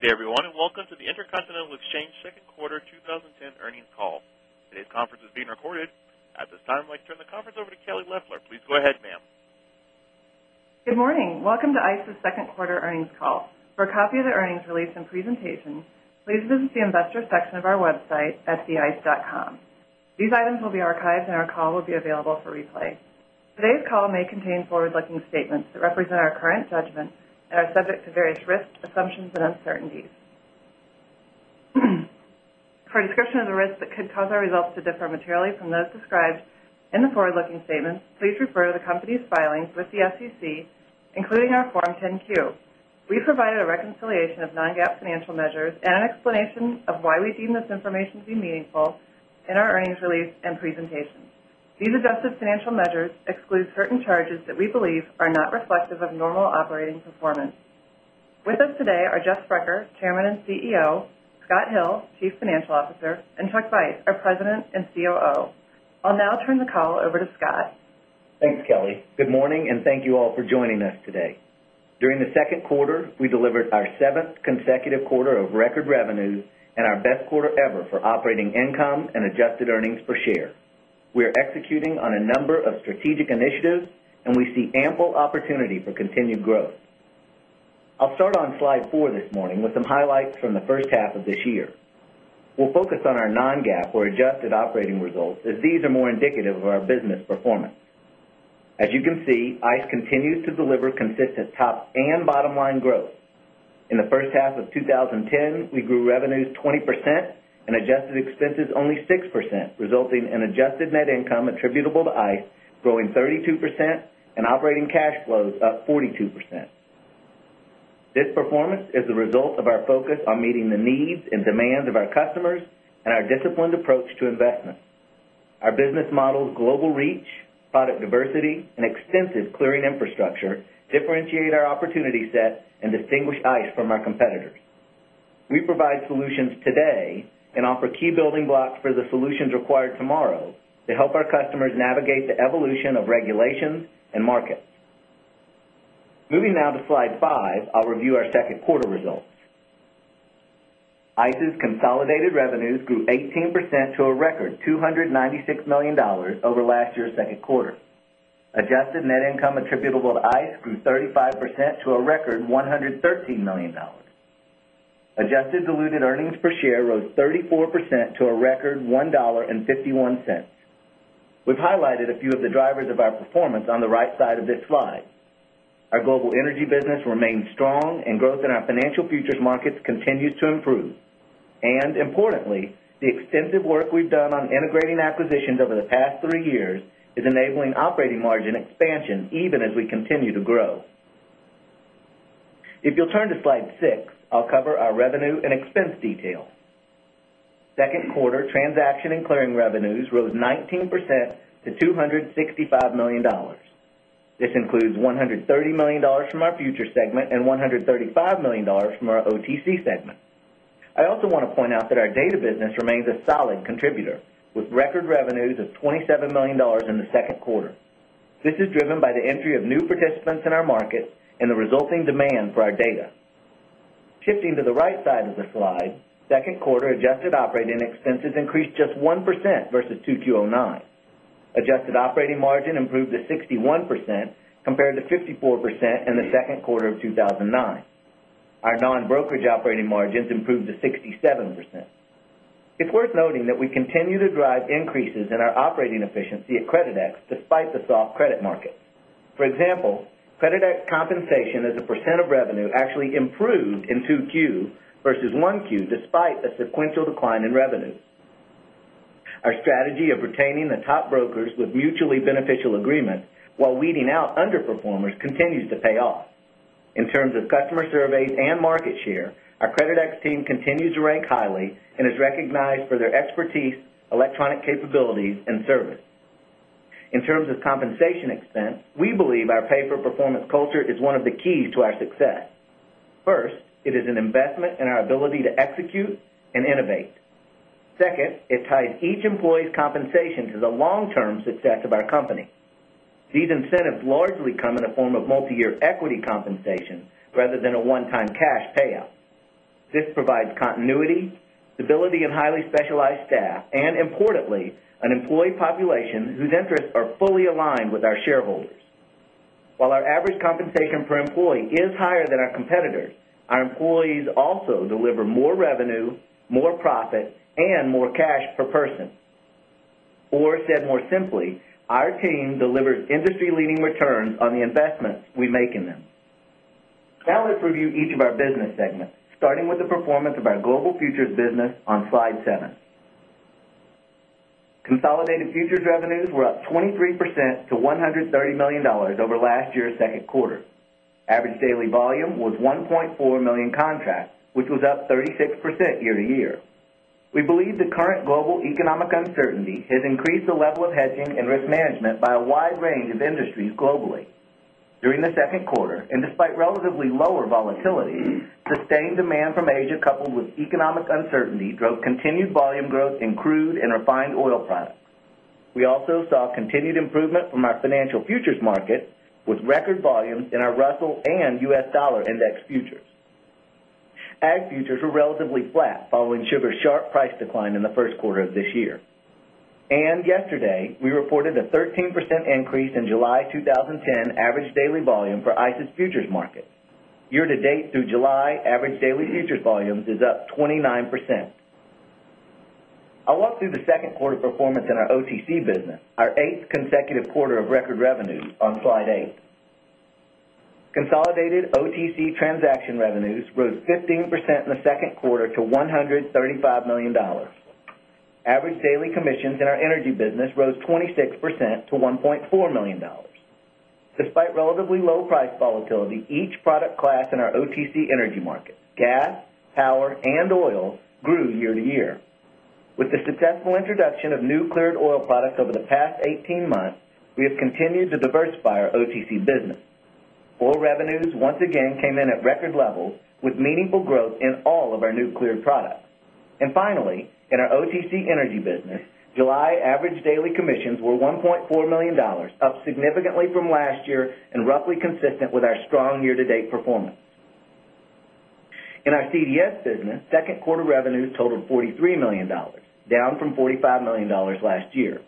Everyone, and welcome to the InterContinental Exchange Second Quarter 20 10 Earnings Call. Today's conference is being recorded. At this time, I'd like to turn the conference over to Kelly Lefler. Please go ahead, ma'am. Good morning. Welcome to ICE's 2nd quarter earnings call. For a copy of the earnings release and presentation, please visit the Investors section of our website at theice. Com. These items will be archived and our call will be available for replay. Today's call may contain forward looking statements that represent our current judgment and are subject to various risks, assumptions and uncertainties. For a description of the risks that could cause our results to differ materially from those described in the forward looking statements, please refer to the company's filings with the SEC, including our Form 10 Q. We provided a reconciliation of non GAAP financial measures and an explanation of why we deem this information to be meaningful in our earnings release and presentation. These adjusted financial measures exclude certain charges that we believe are not reflective of normal operating performance. With us today are Jeff Frecher, Chairman and CEO Scott Hill, Chief Financial Officer and Chuck Veist, our President and COO. I'll now turn the call over to Scott. Thanks, Kelly. Good morning and thank you all for joining us today. During the Q2, we delivered our 7th consecutive quarter of record revenue and our best quarter ever for operating income and adjusted earnings per share. We are executing on a number of strategic initiatives and we see ample opportunity for continued growth. I'll start on slide 4 this morning with some highlights from the first half of this year. We'll focus on our non GAAP or adjusted operating results as these are more indicative of our business performance. As you can see, ICE continues to deliver consistent top and bottom line growth. In the first half of twenty ten, we grew revenues 20% and adjusted expenses only 6% resulting in adjusted net income attributable to ICE growing 32% and operating cash flows up 42%. This performance is the result of our focus on meeting the needs and demand of our customers and our disciplined approach to investment. Our business model's global reach, product diversity and extensive clearing infrastructure differentiate our opportunity set and distinguish ICE from our competitors. We provide solutions today and offer key building blocks for the solutions required tomorrow to help our customers navigate the evolution of regulations and markets. Moving now to slide 5, I'll review our 2nd quarter results. ICE's consolidated revenues grew 18% to a record $296,000,000 over last year's Q2. Adjusted net income attributable to ICE grew 35% to a record $113,000,000 Adjusted diluted earnings per share rose 34% to a record few of the drivers of our performance on the right side of this slide. Our global energy business remains strong and growth in our financial futures markets continues to improve. And importantly, the extensive work we've done on integrating acquisitions over the past 3 years is enabling operating margin expansion even as we continue to grow. If you'll turn to slide 6, I'll cover our revenue and expense detail. 2nd quarter transaction and clearing revenues rose 19 percent to $265,000,000 This includes $130,000,000 from our future segment and 100 and $5,000,000 from our OTC segment. I also want to point out that our data business remains a solid contributor with record revenues of $27,000,000 in the 2nd quarter. This is driven by the entry of new participants in our market and the resulting demand for our data. Shifting to the right side of the slide, 2nd quarter adjusted operating expenses increased just 1% versus 2,209. Adjusted operating margin improved to 61% compared to 54% in the Q2 of 2,009. Our non brokerage operating margins improved to 67%. It's worth noting that we continue to drive increases in our operating efficiency at Creditex despite the soft credit market. For example, Creditex compensation as a percent of revenue actually improved in 2Q versus 1Q despite the sequential decline in revenue. Our strategy of retaining the top brokers with mutually beneficial agreement, while weeding out underperformers continues to pay off. In terms of customer surveys and market share, our Creditex team continues to rank highly and is recognized for their expertise, electronic capabilities and service. In terms of compensation expense, we believe our pay for performance culture is one of the keys to our success. 1st, it is an investment in our ability to execute and innovate. 2nd, it ties each employee's compensation to the long term success of our company. These incentives largely come in a form of multiyear equity compensation rather than a one time cash payout. This provides continuity, stability and highly specialized staff and importantly an employee population whose interests are fully aligned with our shareholders. While our average compensation per employee is higher than our competitors, our employees also deliver more revenue, more profit and more cash per person. Or said more simply, our team delivers industry leading returns on the investments we make in them. Now let's review each of our business segments, starting with the performance of our Global Futures business on slide 7. Consolidated futures revenues were up 23 percent to $130,000,000 over last year's Q2. Average daily volume was 1,400,000 contracts, which was up 36% year to year. We believe the current global economic uncertainty has increased the level of hedging and risk management by a wide range of industries globally. During the 2nd quarter and despite relatively lower volatility, sustained demand from Asia coupled with economic uncertainty drove continued volume growth in crude and refined oil products. We also saw continued improvement from our financial futures market with record volumes in our Russell and U. S. Dollar index futures. Ag futures were relatively flat following sugar's sharp price decline in the Q1 of this year. And yesterday, we reported a 13% increase in July 2010 average daily volume for ICE's futures market. Year to date through July average daily futures volumes is up 29%. I'll walk through the 2nd quarter performance in our OTC business, our 8th consecutive quarter of record revenue on slide 8. Consolidated OTC transaction revenues rose 15% in the 2nd quarter to $135,000,000 Average daily commissions in our energy business rose 26 percent to $1,400,000 Despite relatively low price volatility, each product class in our OTC Energy market, gas, power and oil grew year to year. With the successful introduction of new cleared oil products over the past 18 months, we have continued to diversify our OTC business. Oil revenues once again came in at record levels with meaningful growth in all of our new cleared products. And finally, in our OTC Energy business, July average daily commissions were $1,400,000 up significantly from last year and roughly consistent with our strong year to date performance. In our CDS business, 2nd quarter revenues totaled $43,000,000 down from $45,000,000 last year.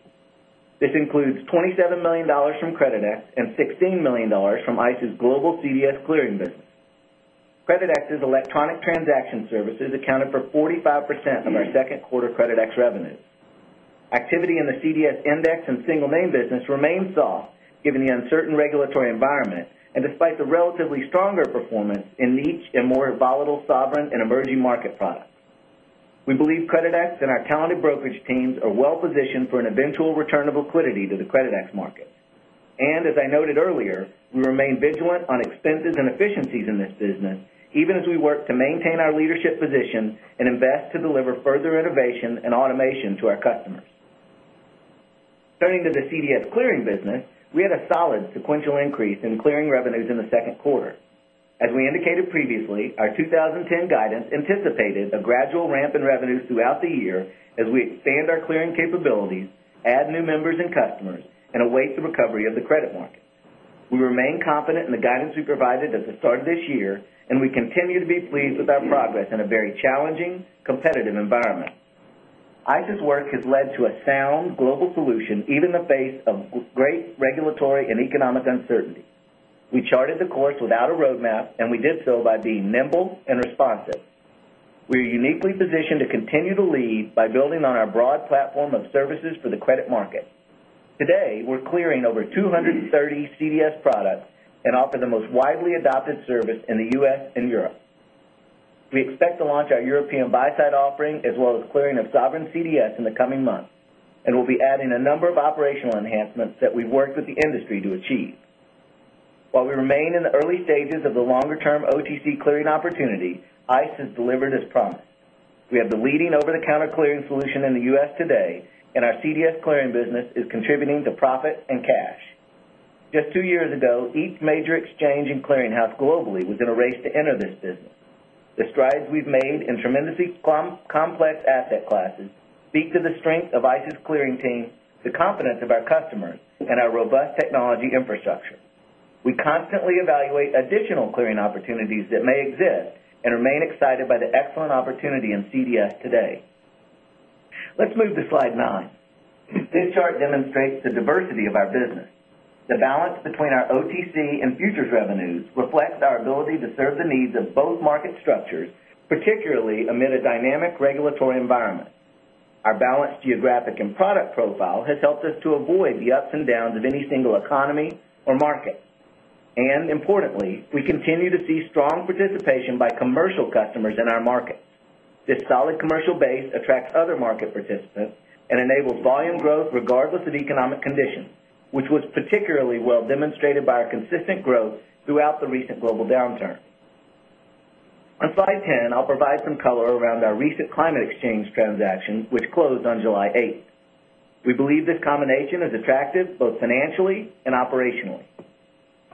This includes $27,000,000 from Creditex and $16,000,000 from ICE's global CDS clearing business. Creditex's electronic transaction services accounted for 45% of our 2nd quarter Creditex revenue. Activity in the CDS index and single name business remained soft given the uncertain regulatory environment and despite the relatively stronger performance in niche and more volatile sovereign and emerging market products. We believe Creditex and our talented brokerage teams are well positioned for an eventual return of liquidity to the Creditex market. And as I noted earlier, we remain vigilant on expenses and efficiencies in this business even as we work to maintain our leadership position and invest to deliver further innovation and automation to our customers. Turning to the CDS Clearing business. We had a solid sequential increase in clearing revenues in the Q2. As we indicated previously, our 20 10 guidance anticipated a gradual ramp in revenues throughout the year as we expand our clearing capabilities, add new members and customers and await the recovery of the credit market. We remain confident in the guidance we provided at the start of this year and we continue to be pleased with our progress in a very challenging competitive environment. ICE's work has led to a sound global solution even in the face of great regulatory and economic uncertainty. We charted the course without a road map and we did so by being nimble and responsive. We are uniquely positioned to continue to lead by building on our broad platform of services for the credit market. Today, we're clearing over 230 CDS products and offer the most widely adopted service in the U. S. And Europe. We expect to launch our European buy side offering as well as clearing of Sovereign CDS in the coming months and we'll be adding a number of operational enhancements that we've worked with the industry to achieve. While we remain in the early stages of the longer term OTC clearing opportunity, ICE has delivered as promised. We have the leading over the counter clearing solution in the U. S. Today and our CDS clearing business is contributing to profit and cash. Just 2 years ago, each major exchange in clearinghouse globally was in a race to enter this business. The strides we've made in tremendously complex asset classes speak to the strength of ICE's clearing team, the confidence of our customers and our robust technology infrastructure. We constantly evaluate additional clearing opportunities that may exist and remain excited by the excellent opportunity in CDS today. Let's move to slide 9. This chart demonstrates the diversity of our business. The balance between our OTC and futures revenues reflects our ability to serve the needs of both market structures, particularly amid a dynamic regulatory environment. Our balanced geographic and product profile has helped us to avoid the ups and downs of any single economy or market. And importantly, we continue to see strong participation by commercial customers in our markets. This solid commercial base attracts other market participants and enables volume growth regardless of economic conditions, which was particularly well demonstrated by our consistent growth throughout the recent global downturn. On slide 10, I'll provide some color around our recent climate exchange transaction, which closed on July 8. We believe this combination is attractive both financially and operationally.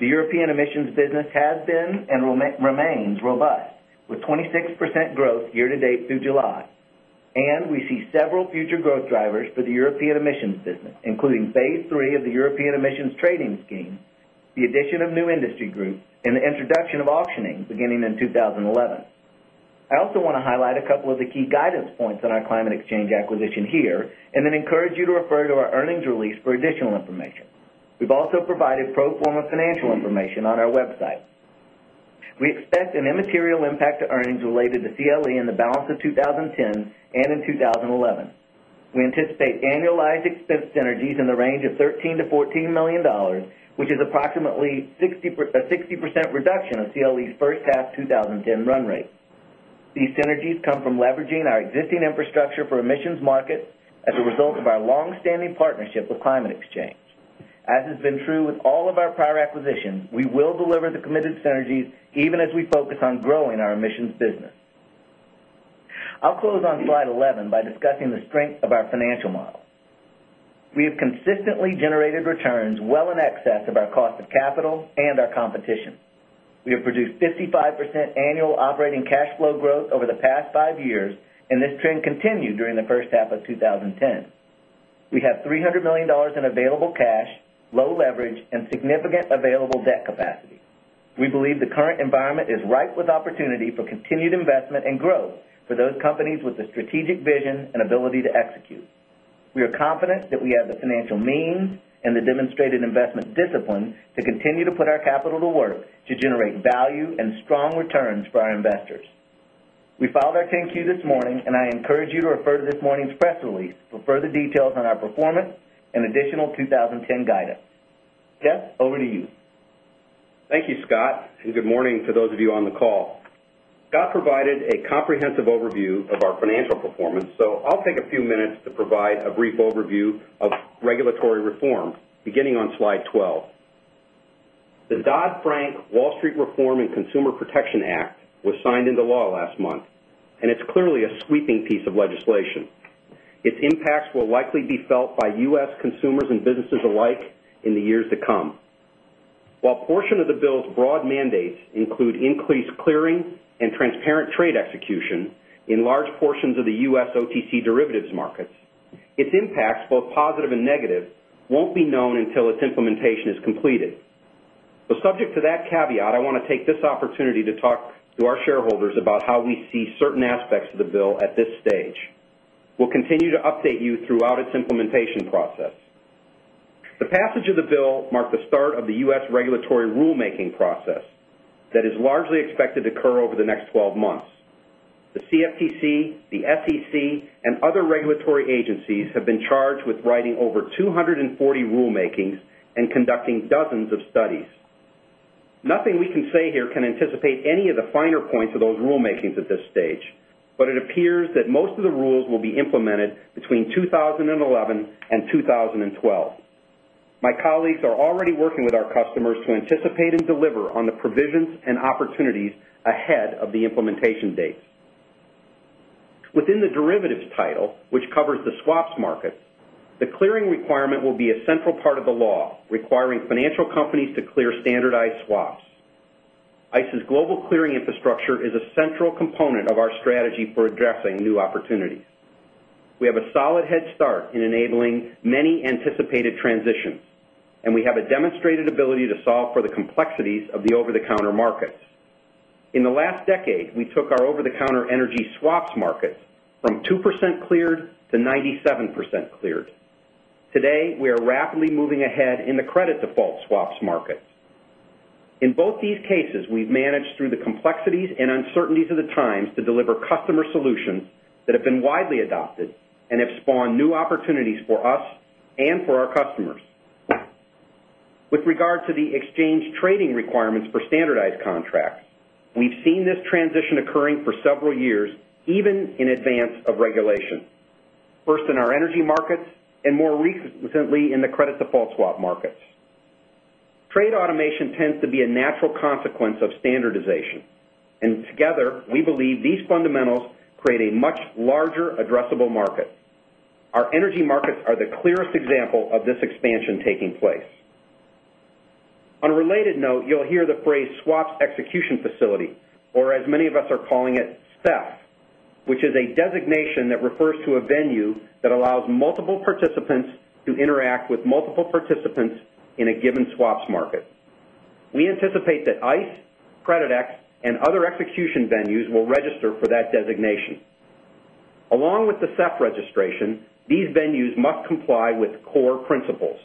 The European emissions business has been and remains robust with 26% growth year to date through July. And we see several future growth drivers for the European emissions business including Phase 3 of the European emissions trading scheme, the addition of new industry group and the introduction of auctioning beginning in 2011. I also want to highlight a couple of the key guidance points on our Climate Exchange acquisition here and then encourage you to refer to our earnings release for additional information. We've also provided pro form a financial information on our website. We expect an immaterial impact to earnings related to CLE in the balance of 2010 and in 2011. We anticipate annualized expense synergies in the range of $13,000,000 to $14,000,000 which is approximately 60% reduction of CLE's first half twenty ten run rate. These synergies result of our long standing partnership with Climate Exchange. As as a result of our long standing partnership with Climate Exchange. As has been true with all of our prior acquisitions, we will deliver the committed synergies even as we focus on growing our emissions business. I'll close on slide 11 by discussing the strength of our financial model. We have consistently generated returns well in excess of our cost of capital and our competition. We have produced 55% annual operating cash flow growth over the past 5 years and this trend continued during the first half of twenty ten. We have $300,000,000 in available cash, low leverage and significant available debt capacity. We believe the current environment is ripe with opportunity for continued investment and growth for those companies with the strategic vision and ability to execute. We are confident that we have the financial means and the demonstrated investment discipline to continue to put our capital to work to generate value and strong returns for our investors. We filed our 10 Q this morning and I encourage you to refer to this morning's press release for further details on our performance and additional 20 10 guidance. Seth, over to you. Thank you, Scott and good morning to those of you on the call. Scott provided a comprehensive overview of our financial performance, so I'll take a few minutes to provide a brief overview of regulatory reform beginning on slide 12. The Dodd Frank Wall Street Reform and Consumer Protection Act was signed into law last month and it's clearly a sweeping piece of legislation. Its impacts will likely be felt by U. S. Consumers and businesses alike in the years to come. While portion of the bill's broad mandates include increased clearing and transparent trade execution in large portions of the U. S. OTC derivatives markets, Its impacts both positive and negative won't be known until its implementation is completed. So subject to that caveat, I want to take this opportunity to talk to our shareholders about how we see certain aspects of the bill at this stage. We'll continue to update you throughout its implementation process. The passage of the bill marked the start of the U. S. Regulatory rulemaking process that is largely expected to occur over the next 12 months. The CFTC, the SEC and other regulatory agencies have been charged with writing over 240 rule makings and conducting dozens of studies. Nothing we can say here can anticipate any of the finer points of those rule makings at this stage, but it appears that most of the rules will be implemented between 20112012. My colleagues are already working with our customers to anticipate and deliver on the provisions and opportunities ahead of the implementation dates. Within the derivatives title, which covers the swaps market, the clearing requirement will be a central part of the law requiring financial companies to clear standardized swaps. ICE's global clearing infrastructure is a central component of our strategy for addressing new opportunities. We have a solid head start in enabling many anticipated transitions and we have a demonstrated ability to solve for the complexities of the over the counter markets. In the last decade, we took our over the counter energy swaps market from 2% cleared to 97% cleared. Today, we are rapidly moving ahead in the credit default swaps market. In both these cases, we've managed through the complexities and uncertainties of the times to deliver customer solutions that have been widely adopted and have spawned new opportunities for us and for our customers. With regard to the exchange trading requirements for standardized contracts, we've seen this transition occurring for several years even in advance of regulation, 1st in our energy markets and more recently in the credit default swap markets. Trade automation tends to be a natural consequence of standardization. And together, we believe these fundamentals create a much larger addressable market. Our energy markets are the clearest example of this expansion taking place. On a related note, you'll hear the phrase swaps execution facility or as many of us are calling it SEF, which is a designation that refers to a venue that allows multiple participants to interact with multiple participants in a given swaps market. We anticipate that ICE, CreditX and other execution venues will register for that designation. Along with the SEP registration, these venues must comply with core principles.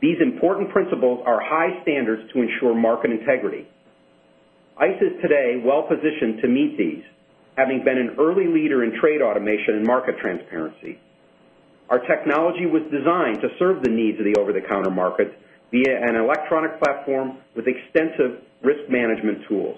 These important principles are high standards to ensure market integrity. ICE is today well positioned to meet these, having been an early leader in trade automation and market transparency. Our technology was designed to serve the needs of the over the counter market via an electronic platform with extensive risk management tools.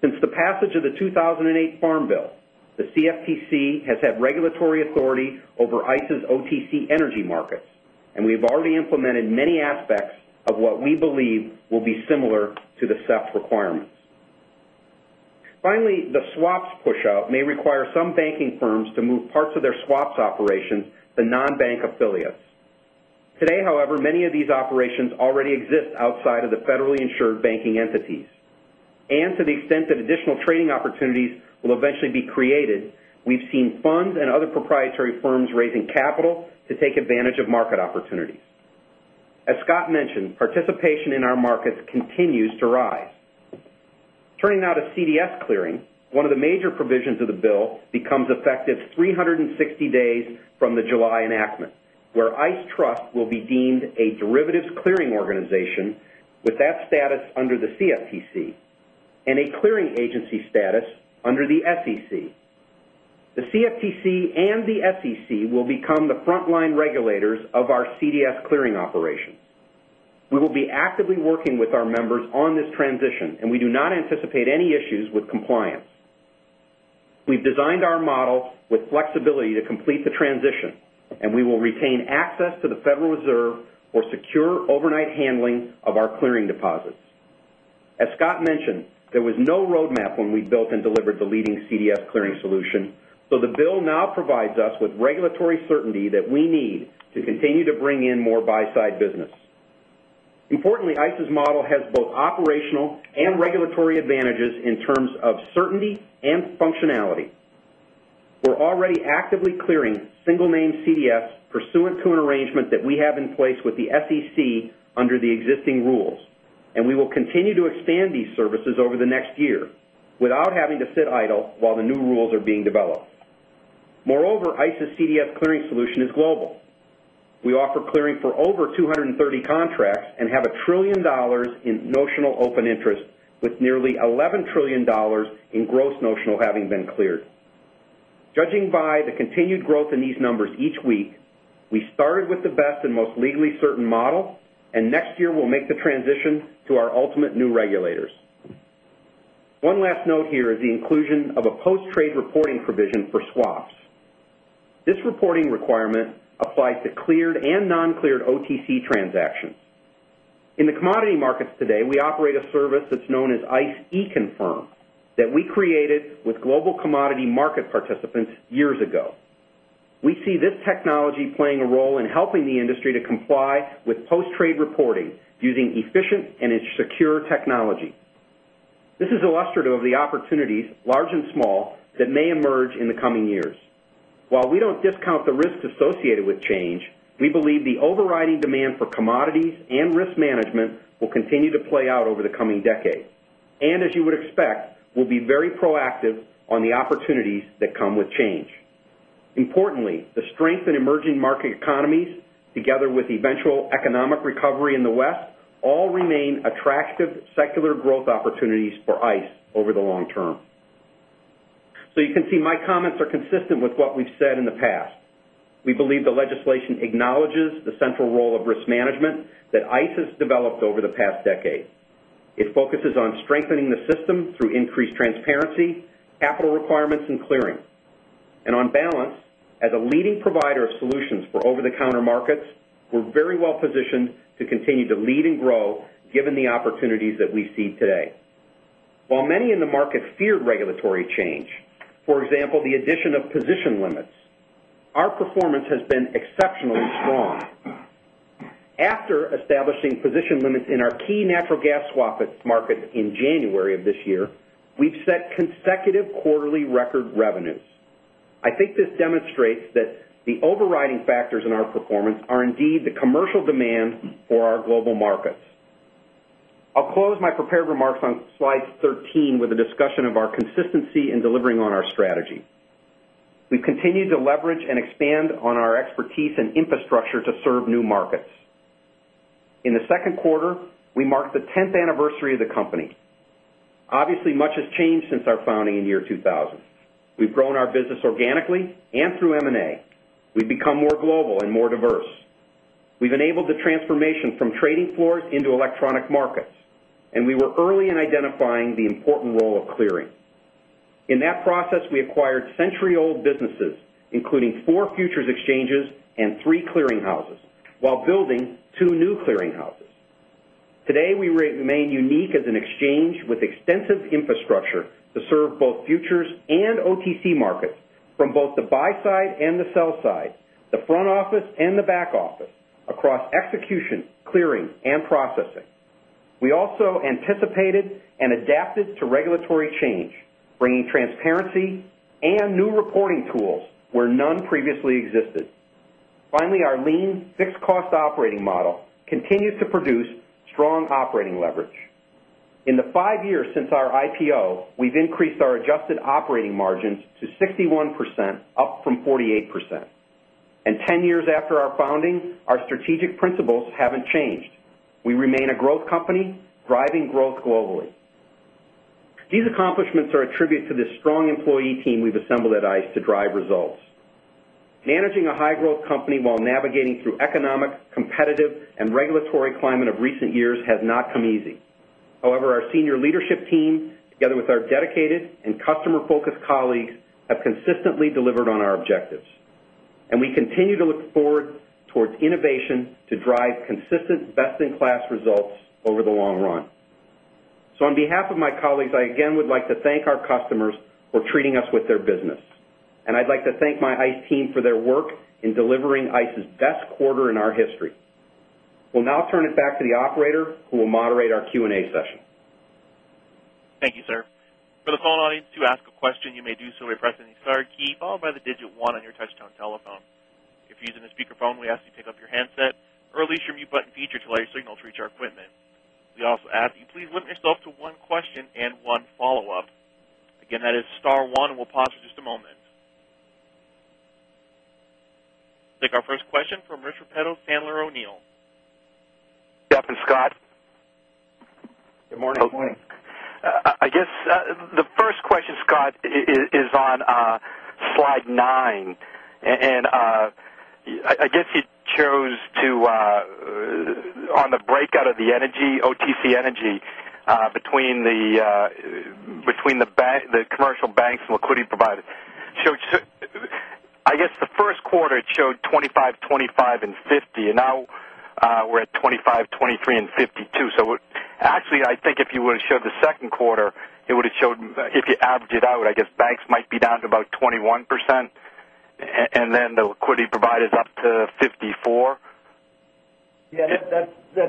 Since the passage of the 2,008 Farm Bill, the CFTC has had regulatory authority over ICE's OTC Energy Markets and we've already implemented many aspects of what we believe will be similar to the SEP requirements. Finally, the swaps push out may require some banking firms to move parts of their swaps operations to non bank affiliates. Today, however, many of these operations already exist outside of the federally insured banking entities. And to the extent that additional trading opportunities will eventually be created, we've seen funds and other proprietary firms raising capital to take advantage of market opportunities. As Scott mentioned, participation in our markets continues to rise. Turning now to CDS clearing, one of the major provisions of the bill becomes effective 360 days from the July enactment, where ICE Trust will be deemed a derivatives clearing organization with that status under the CFTC and a clearing agency status under the SEC. The CFTC and the SEC will become the frontline regulators of our CDS clearing operations. We will be actively working with our members on this transition and we do not anticipate any issues with compliance. We've designed our model with flexibility to complete the transition and we will retain access to the Federal Reserve or secure overnight handling of our clearing deposits. As Scott mentioned, there was no road map when we built and delivered the leading CDS clearing solution, So the bill now provides us with regulatory certainty that we need to continue to bring in more buy side business. Importantly, ICE's model has both operational and regulatory advantages in terms of certainty and functionality. We're already actively clearing single name CDS pursuant to an arrangement that we have in place with the SEC under the existing rules and we will continue to expand these services over the next year without having to sit idle while the new rules are being developed. Moreover, ICE's CDS clearing solution is global. We offer clearing for over 2.30 contracts and have $1,000,000,000,000 in notional open interest with nearly $11,000,000,000,000 in gross notional having been cleared. Judging by the continued growth in these numbers each week, we started with the best and most legally certain model and next year we'll make the transition to our ultimate new regulators. One last note here is the inclusion of a post trade reporting provision for swaps. This reporting requirement applies to cleared and non cleared OTC transactions. In the commodity markets today, we operate a service that's known as ICE Econfirm that we created with global commodity market participants years ago. We see this technology playing a role in helping the industry to comply with post trade reporting using efficient and secure technology. This is illustrative of the opportunities large and small that may emerge in the coming years. While we don't discount the risks associated with change, we believe the overriding demand for commodities and risk management will continue to play out over the coming decade. And as you would expect, we'll be very proactive on the opportunities that come with change. Importantly, the strength in emerging market economies together with eventual economic recovery in the West all remain attractive secular growth opportunities for ICE over the long term. So you can see my comments are consistent with what we've said in the past. We believe the legislation acknowledges the central role of risk management that ICE has developed over the past decade. It focuses on strengthening the system through increased transparency, capital requirements and clearing. And on balance, as a leading provider of solutions for over the counter markets, we're very well positioned to continue to lead and grow given the opportunities that we see today. While many in the market feared regulatory change, for example, the addition of position limits, our performance has been exceptionally strong. After establishing position limits in our key natural gas swap markets in January of this year, we've set consecutive quarterly record revenues. I think this demonstrates that the overriding factors in our performance are indeed the commercial demand for our global markets. I'll close my prepared remarks on slide 13 with a discussion of our consistency in delivering on our strategy. We continue to and expand on our expertise and infrastructure to serve new markets. In the Q2, we marked the 10th anniversary of the company. Obviously, much has changed since our founding in year 2000. We've grown our business organically and through M and A. We've become more global and more diverse. We've enabled the transformation from trading floors into electronic markets and we were early in identifying the important role of clearing. In that process, we acquired century old businesses, including 4 futures exchanges and 3 clearing houses, while building 2 new clearing houses. Today, we remain unique as an exchange with extensive infrastructure to serve both futures and OTC markets from both the buy side and the sell side, the front office and the back office across execution, clearing and processing. We also anticipated and adapted to regulatory change, bringing transparency and new reporting tools where none previously existed. Finally, our lean fixed cost operating model continues to produce strong operating leverage. In the 5 years since our IPO, we've increased our adjusted operating margins to 61%, up from 48%. And 10 years after our founding, our strategic principles haven't changed. We remain a growth company, driving growth globally. These accomplishments are attributed to the strong employee team we've assembled at ICE to drive results. Managing a high growth company while navigating through economic, competitive and regulatory climate of recent years has not come easy. However, our senior leadership team together with our dedicated and customer focused colleagues have consistently delivered on our objectives. And we continue to look forward towards innovation to drive consistent best in class results over the long run. So on behalf of my colleagues, I again would like to thank our customers for treating us with their business. And I'd like to thank my ICE team for their work in delivering ICE's best quarter in our history. We'll now turn it back to the operator, who will moderate our Q and A session. Thank you, sir. We'll Take our first question from Richard Petros Sandler O'Neill. Good afternoon, Scott. Good morning. Good morning. I guess, the first question, Scott, is on slide 9. And I guess you chose to on the breakout of the energy OTC Energy between the commercial banks and liquidity providers. So I guess the Q1 showed 25, 25, 50 and now we're at 25%, 23% 52%. So actually, I think if you would have showed the Q2, it would have showed if you average it out, I guess banks might be down to about 21% and then the liquidity provided is up to 54%. Yes.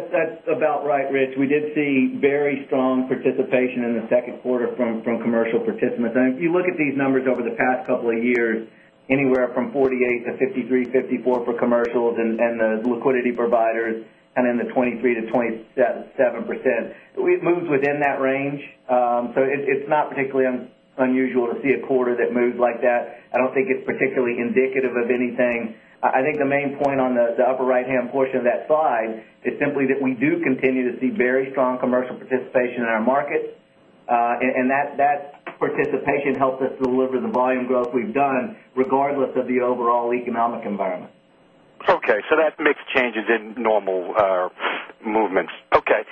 That's about right, Rich. We did see very strong participation in the Q2 from commercial participants. And if you look at these numbers over the past couple of years, anywhere from 48% to 53%, 54% for commercials and the liquidity providers and in the 23% to 27%. We've moved within that range. So it's not particularly unusual to see a quarter that moves like that. I don't think it's particularly indicative of anything. I think the main point on the upper right hand portion of that slide is simply that we do continue to see very strong commercial participation in our market. And that participation helps us deliver the volume growth we've done regardless of the overall economic environment. Okay. So that makes changes in normal movements. Okay.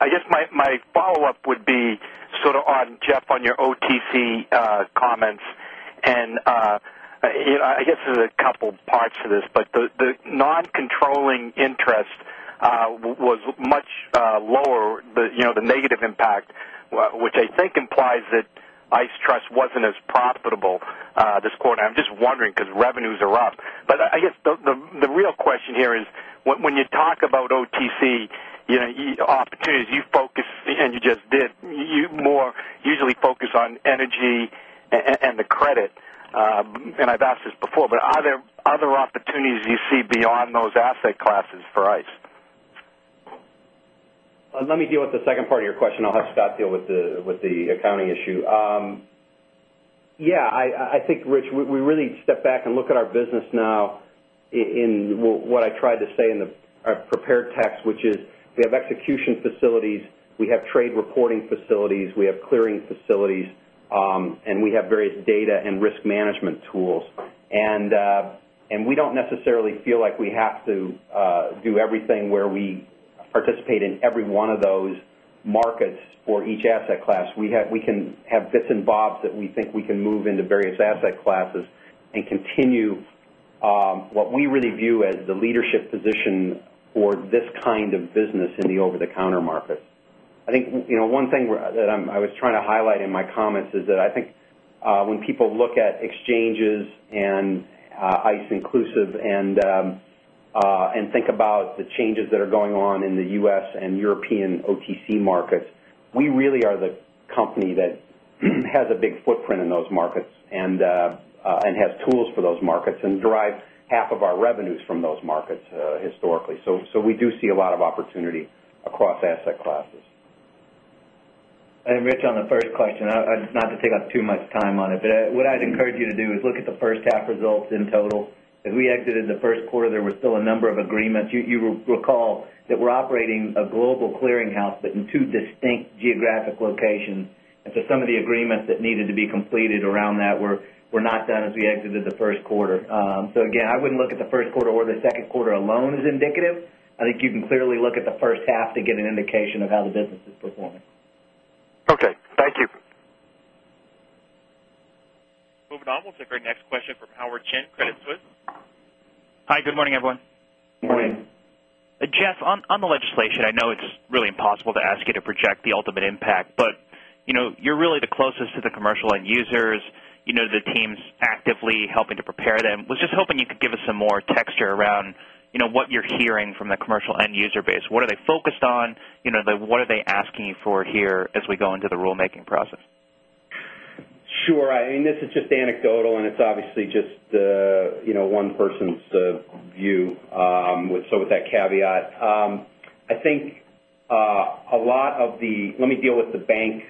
I guess my follow-up would be sort of on, Jeff, on your OTC comments. And I guess there's a couple of parts to this, but the non controlling interest was much lower, the negative impact, which I think implies that ICE Trust wasn't as profitable this quarter. I'm just wondering because revenues are up. But I guess the real question here is when you talk about OTC opportunities you focus and you just did, you more usually focus on energy and the credit. And I've asked this before, but are there opportunities you see beyond those asset classes for ICE? Let me deal with the second part of your question. I'll have Scott deal with the accounting issue. Yes, I think, Rich, we really step back and look at our business now in what I tried to say in the prepared text, which is we have execution facilities, we have trade reporting facilities, we have clearing facilities and we have various data and risk management tools. And we don't necessarily feel like we have to do everything where we participate in every one of those markets for each asset class. We can have bits and bobs that we think we can move into various asset classes and continue what we really view as the leadership position for this kind of business in the over the counter market. I think one thing that I was trying to highlight in my comments is that I think when people look at exchanges and ICE Inclusive and think about the changes that are going on in the U. S. And European OTC markets, we really are the company that has a big footprint in those markets and has tools for those markets and drive half of our revenues from those markets historically. So we do see a lot of opportunity across asset classes. And Rich on the first question, not to take up too much time on it, but what I'd encourage you to do is look at the first half results in total. As we exited the Q1, there were still a number of agreements. You will recall that we're operating a global clearinghouse, but in 2 distinct geographic locations. And so some of the agreements that needed to be completed around that were not done as we exited the Q1. So again, I wouldn't look at the Q1 or the Q2 alone is indicative. Think you can clearly look at the first half to get an indication of how the business is performing. Okay. Thank you. Moving on, we'll take our next question from Howard Chen, Credit Suisse. Hi, good morning, everyone. Good morning. Jeff, on the legislation, I know it's really impossible to ask you to project the ultimate impact, but you're really the closest to the commercial end users. The team's actively helping to prepare them. I was just hoping you could give us some more texture around what you're hearing from the commercial end user base. What are they focused on? What are they asking you for here as we go into the rulemaking process? Sure. I mean, this is just anecdotal and it's obviously just one person's view with so with that caveat. I think a lot of the let me deal with the bank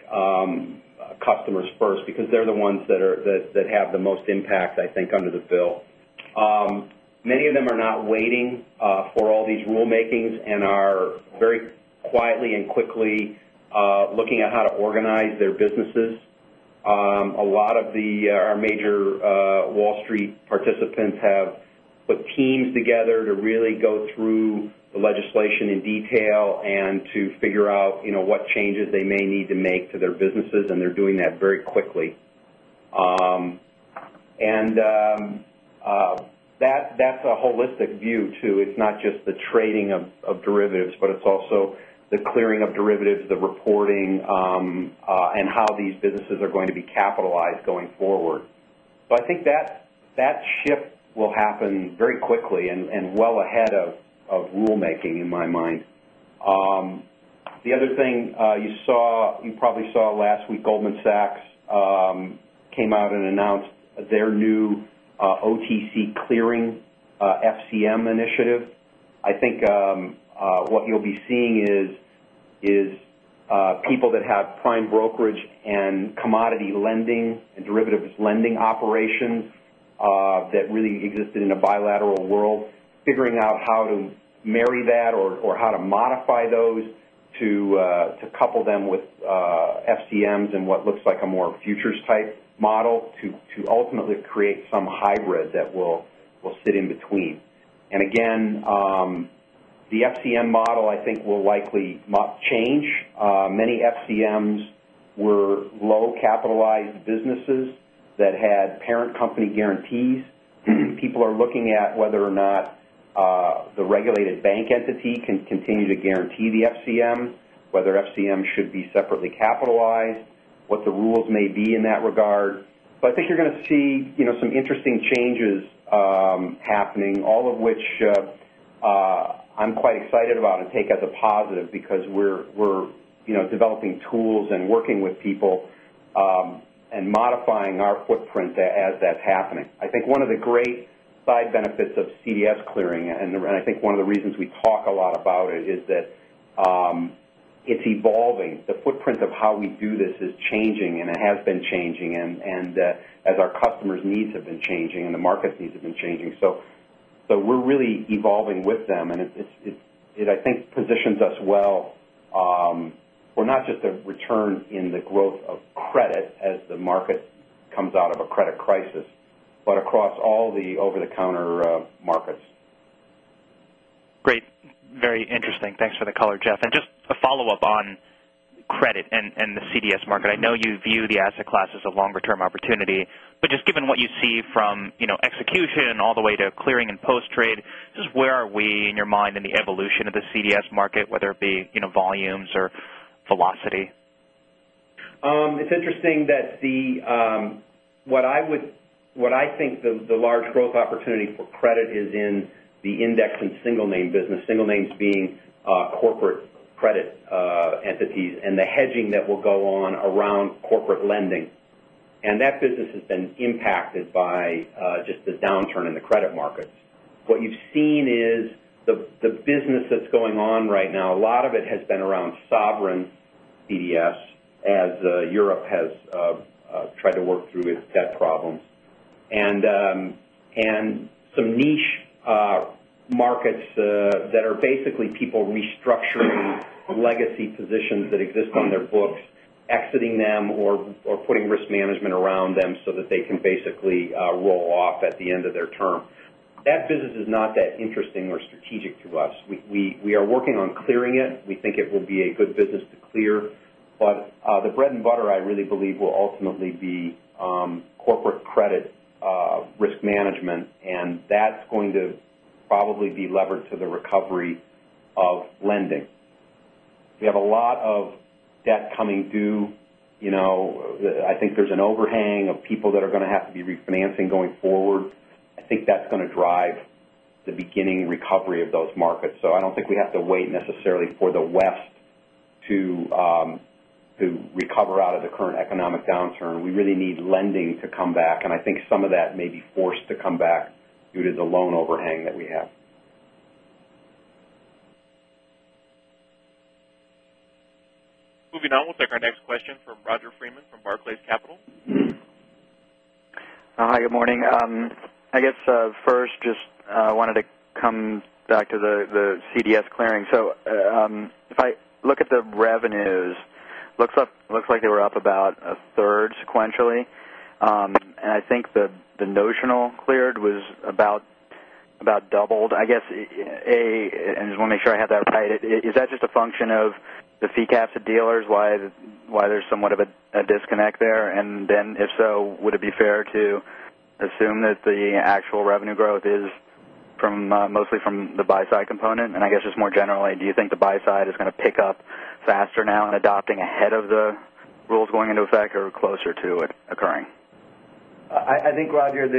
customers first because they're the ones that are that have the most impact I think under the bill. Many of them are not waiting for all these rule makings and are very quietly and quickly looking at how to organize their businesses. A lot of the our major Wall Street participants have put teams together to really go through the legislation in detail and to figure out what changes they may need to make to their businesses and they're doing that very quickly. And that's a holistic view too. It's not just the trading of derivatives, but it's also the clearing of derivatives, the reporting and how these businesses are going to be capitalized going forward. So I think that shift will happen very quickly and well ahead of rulemaking in my mind. The other thing you saw you probably saw last week Goldman Sachs came out and announced their new OTC clearing FCM initiative. I think what you'll be seeing is people that have prime brokerage and commodity lending and derivatives lending operations that really existed in a bilateral world, figuring out how to marry that or how to modify those to couple them with FCMs and what looks like a more futures type model to ultimately create some hybrid that will sit in between. And again, the FCM model I think will likely change. Many FCMs were low capitalized businesses that had parent company guarantees. People are looking at whether or not the regulated bank entity can continue to guarantee the FCM, whether FCM should be separately capitalized, what the rules may be in that regard. But I think you're going to see some interesting changes happening, all of which I'm quite excited about and take as a positive because we're developing tools and working with people and modifying our footprint as that's happening. I think one of the great side benefits of CDS clearing and I think one of the reasons we talk a lot about it is that it's evolving. The footprint of how we do this is changing and it has been changing and as our customers' needs have been changing and the market needs have been changing. So we're really evolving with them and it I think positions us well for not just the return in the growth of credit as the market comes out of a credit crisis, but across all the over the counter markets. Great. Very interesting. Thanks for the color, Jeff. And just a follow-up on credit and the CDS market. I know you view the asset classes of longer term opportunity, but just given what you see from execution all the way to clearing and post trade, just where are we in your mind in the evolution of the CDS market, whether it be volumes or velocity? It's interesting that the what I would what I think the large growth opportunity for credit is in the index and single name business, single names being corporate credit entities and the hedging that will go on around corporate lending. And that business has been impacted by just the downturn in the credit markets. What you've seen is the business that's going on right now a lot of it has been around sovereign BDS as Europe has tried to work through its debt problems. And some niche markets that are basically people restructuring legacy positions that exist on their books, exiting them or putting risk management around them so that they can basically roll off at the end of their term. That business is not that interesting or strategic to us. We are working on clearing it. We think it will be a good business to clear. But the bread and butter I really believe will ultimately be corporate credit risk management and that's going to probably be levered to the recovery of lending. We have a lot of debt coming due. I think there's an overhang of people that are going to have to be refinancing going forward. I think that's going to drive the beginning recovery of those markets. So I don't think we have to wait necessarily for the West to recover out of the current economic downturn. We really need lending to come back and I think some of that may be forced to come back due to the loan overhang that we have. We'll take our next question from Roger Freeman from Barclays Capital. Hi, good morning. I guess, first, just wanted to come back to the CDS clearing. So if I look at the revenues, looks like they were up about a third sequentially. And I think the notional cleared was about doubled. I guess, A, I just want to make sure I have that right. Is that just a function of the fee caps of dealers? Why there's somewhat of a disconnect there? And then if so, would it be fair to assume that the actual revenue growth is from mostly from the buy side component? And I guess just more generally, do you think the buy side is going to pick up faster now in adopting ahead of the rules going into effect or closer to it occurring? I think Roger,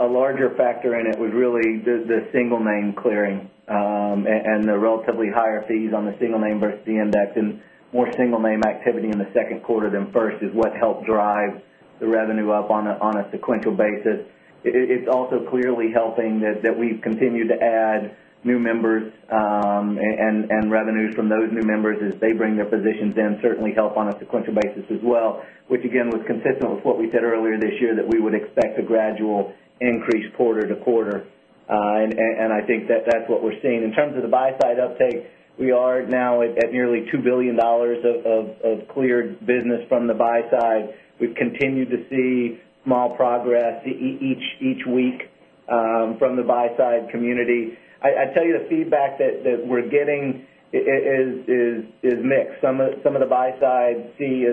a larger factor in it was really the single name clearing and the relatively higher fees on the single name versus the index. And more single name activity in the Q2 than first is what helped drive the revenue up on a sequential basis. It's also clearly helping that we've continued to add new members and revenues from those new members as they bring their positions in certainly help on a sequential basis as well, which again was consistent with what we said earlier this year that we would expect a gradual increase quarter to quarter. And I think that that's what we're seeing. In terms of the buy side uptake, we are now at nearly $2,000,000,000 of cleared business from the buy side. We've continued to see small progress each week from the buy side community. I'd tell you the feedback that we're getting is mixed. Some of the buy side see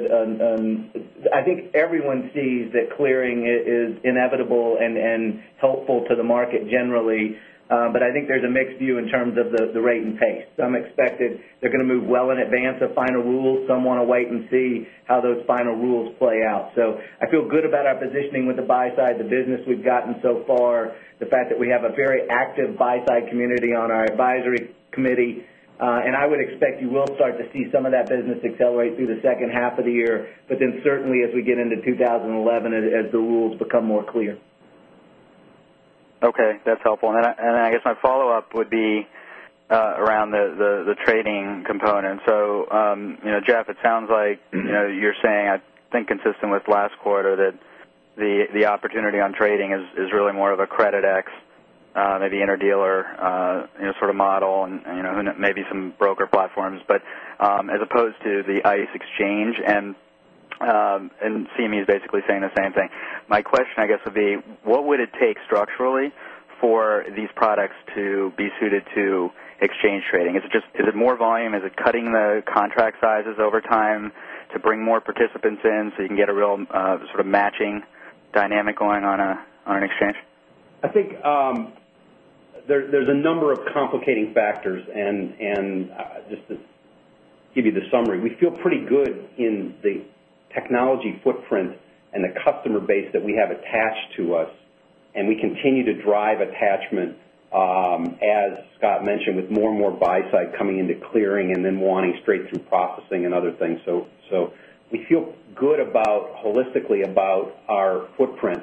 I think everyone sees that clearing is inevitable and helpful to the market generally. But I think there's a mixed view in terms of the rate and pace. Some expected they're going to move well in advance of final rules. Some want to wait and see how those final rules play out. So I feel good about our positioning with the buy side of the business we've gotten so far, the fact that we have a very active buy side community on our advisory committee. And I would expect you will start to see some of that business accelerate through the second half of the year, but then certainly as we get into 2011 as the rules become more clear. Okay. That's helpful. And then I guess my follow-up would be around the trading component. So, Jeff, it sounds like you're saying, I think consistent with last quarter that the opportunity on trading is really more of a credit ex, maybe interdealer sort of model and maybe some broker platforms. But as opposed to the ICE Exchange and CME is basically saying the same thing. My question, I guess, would be what would it take structurally for these products to be suited to exchange trading? Is it just is it more volume? Is it cutting the contract sizes over time to bring more participants in so you can get a real matching dynamic going on an exchange? I think there's a number of complicating factors. And just to give you the summary, we feel pretty good in the technology footprint and the customer base that we have attached to us And we continue to drive attachment, as Scott mentioned, with more and more buy side coming into clearing and then wanting straight through processing and other things. So we feel good about holistically about our footprint.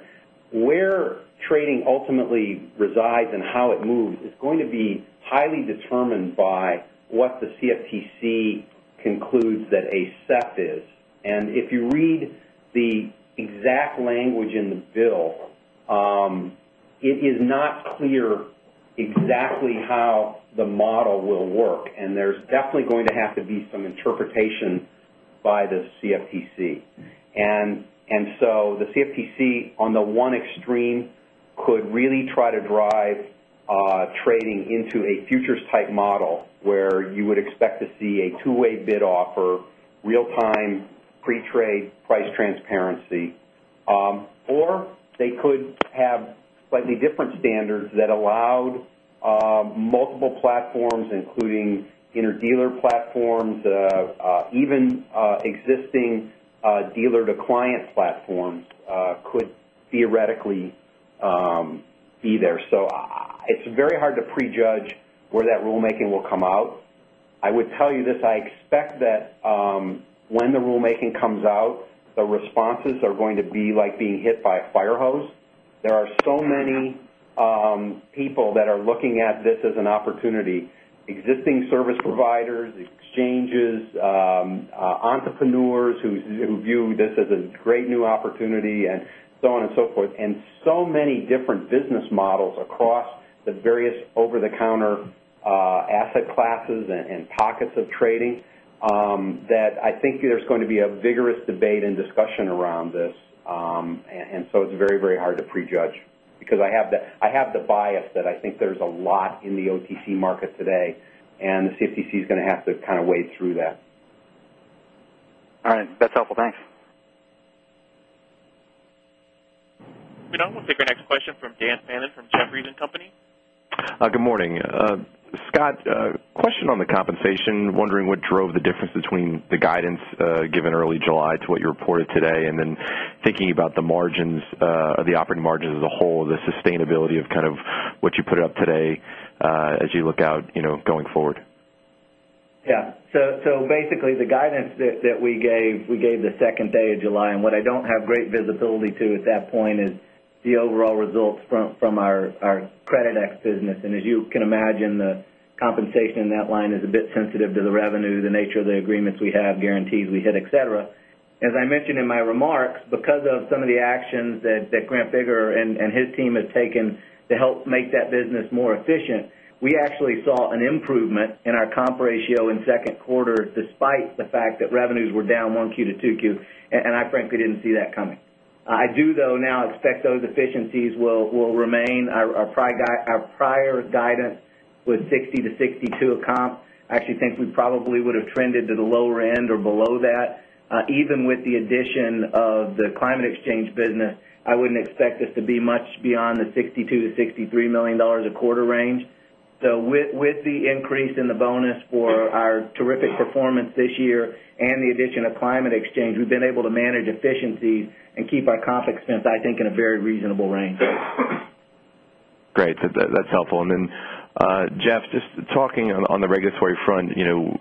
Where trading ultimately resides and how it moves is going to be highly determined by what the CFTC concludes that a SEP is. And if you read the exact language in the bill, it is not clear exactly how the model will work and there's definitely going to have to be some interpretation by the CFTC. And so the CFTC on the one extreme could really try to drive trading into a futures type model where you would expect to see a two way bid offer real time pre trade price transparency. Or they could have slightly different standards that allowed multiple platforms including interdealer platforms, even existing dealer to client platforms could theoretically be there. So it's very hard to prejudge where that rulemaking will come out. I would tell you this. I expect that when the rulemaking comes out, the responses are going to be like being hit by a fire hose. There are so many people that are looking at this as an opportunity. Existing service providers, exchanges, entrepreneurs who view this as a great new opportunity and so on and so forth. And so many different business models across the various over the counter asset classes and pockets of trading that I think there's going to be a vigorous debate and discussion around this. And so it's very, very hard to prejudge because I have the bias that I think there's a lot in the OTC market today and the CFTC is going to have to kind of wade through that. All right. That's helpful. Thanks. We'll now take our next question from Dan Fannon from Jefferies and Company. Good morning. Scott, question on the compensation. Wondering what drove the difference between the guidance given early July to what you reported today? And then thinking about the margins, the operating margins as a whole, the sustainability of kind of what you put up today as you look out going forward? Yes. So basically the guidance that we gave, we gave the 2nd day of July. And what I don't have great visibility to at that point is the overall results from our Creditex business. And as you can imagine, the compensation in that line is a bit sensitive to the revenue, the nature of the agreements we have, guarantees we hit etcetera. As I mentioned in my remarks, because of some of the actions that Grant Biggar and his team have taken to help make that business more efficient, we actually saw an improvement in our comp ratio in 2nd quarter despite the fact that revenues were down 1Q to 2Q. And I frankly didn't see that coming. I do though now expect those efficiencies will remain. Our prior guidance was $60,000,000 to $62,000,000 a comp. I actually think we probably would have trended to the lower end or below that. Even with the addition of the climate exchange business, I wouldn't expect us to be much beyond the $62,000,000 to $63,000,000 a quarter range. So with the increase in the bonus for our terrific performance this year and the addition of Climate Exchange, we've been able to manage efficiencies and keep our comp expense I think in a very reasonable range. Great. That's helpful. And then Jeff, just talking on the regulatory front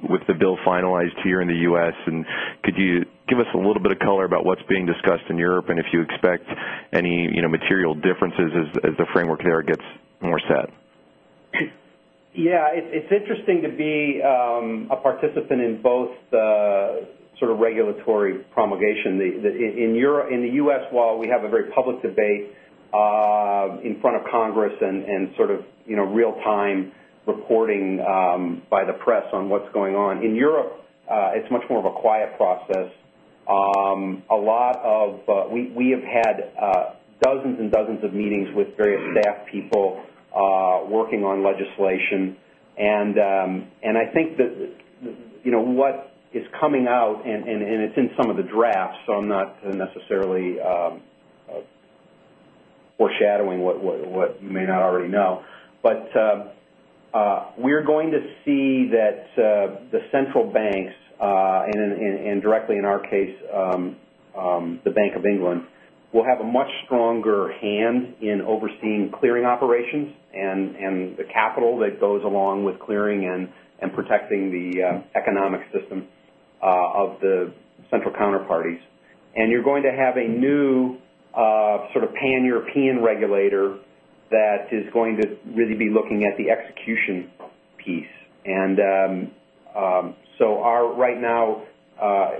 with the bill finalized here in the U. S. And could you give us a little bit of color about what's being discussed in Europe and if you expect any material differences as the framework there gets more set? Yes. It's interesting to be a participant in both sort of regulatory promulgation. In Europe, in the U. S, while we have a very public debate in front of Congress and sort of real time reporting by the press on what's going on. In Europe, it's much more of a quiet process. A lot of we have had dozens and dozens of meetings with various staff people working on legislation. And I think that what is coming out and it's in some of the drafts, so I'm not necessarily foreshadowing what you may not already know. But we are going to see that the central banks and directly in our case, the Bank of England will have a much stronger hand in overseeing clearing operations and the capital that goes along with clearing and protecting the economic system of the central counterparties. And you're going to have a new sort of pan European regulator that is going to really be looking at the execution piece. And so our right now,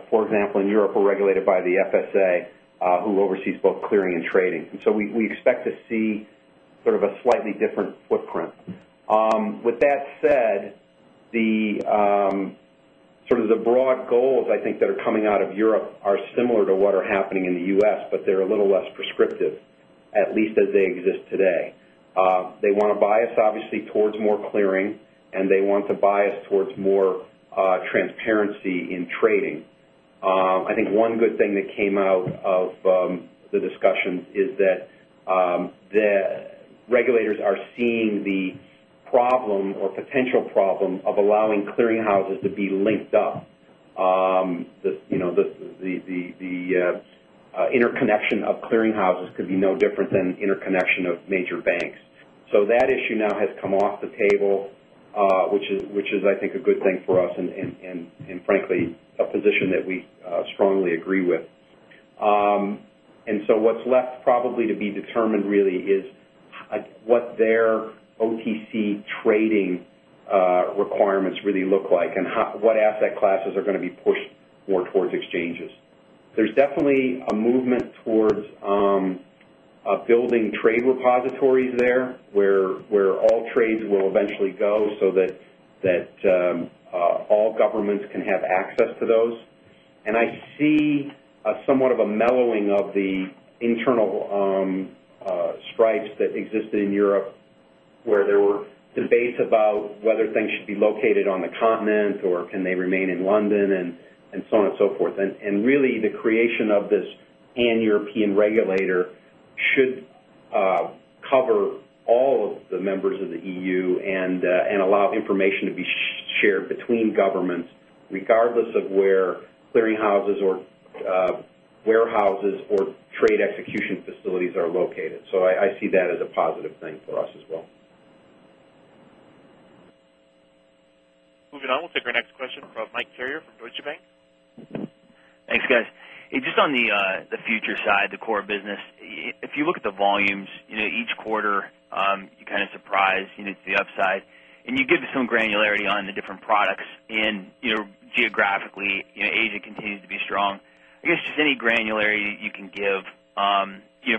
for example, in Europe, we're regulated by the FSA, who oversees both clearing and trading. And so we expect to see sort of a slightly different footprint. With that said, sort of the broad goals I think that are coming out of Europe are similar to what are happening in the U. S, but they're a little less prescriptive at least as they exist today. They want to bias obviously towards more clearing and they want to bias towards more transparency in trading. I think one good thing that came out of the discussion is that the regulators are seeing the problem or potential problem of allowing clearinghouses to be linked up. The interconnection of clearinghouses could be no different than interconnection of major banks. So that issue now has come off the table, which is I think a good thing for us and frankly a position that we strongly agree with. And so what's left probably to be determined really is what their OTC trading requirements really look like and what asset classes are going to be pushed more towards exchanges. There's definitely a movement towards building trade repositories there where all trades will eventually go so that all governments can have access to those. And I see somewhat of a mellowing of the internal stripes that existed in Europe where there were debates about whether things should be located on the continent or can they remain in London and so on and so forth. And really the creation of this pan European regulator should cover all of the members of the EU and allow information to be shared between governments regardless of where clearinghouses or warehouses or trade execution facilities are located. So I see that as a positive thing for us as well. Moving on, we'll take our next question from Mike Carrier from Deutsche Bank. Thanks guys. Just on the future side, the core business, if you look at the volumes each quarter, you kind of surprise the upside. Can you give us some granularity on the different products? And geographically, Asia continues to be strong. I guess just any granularity you can give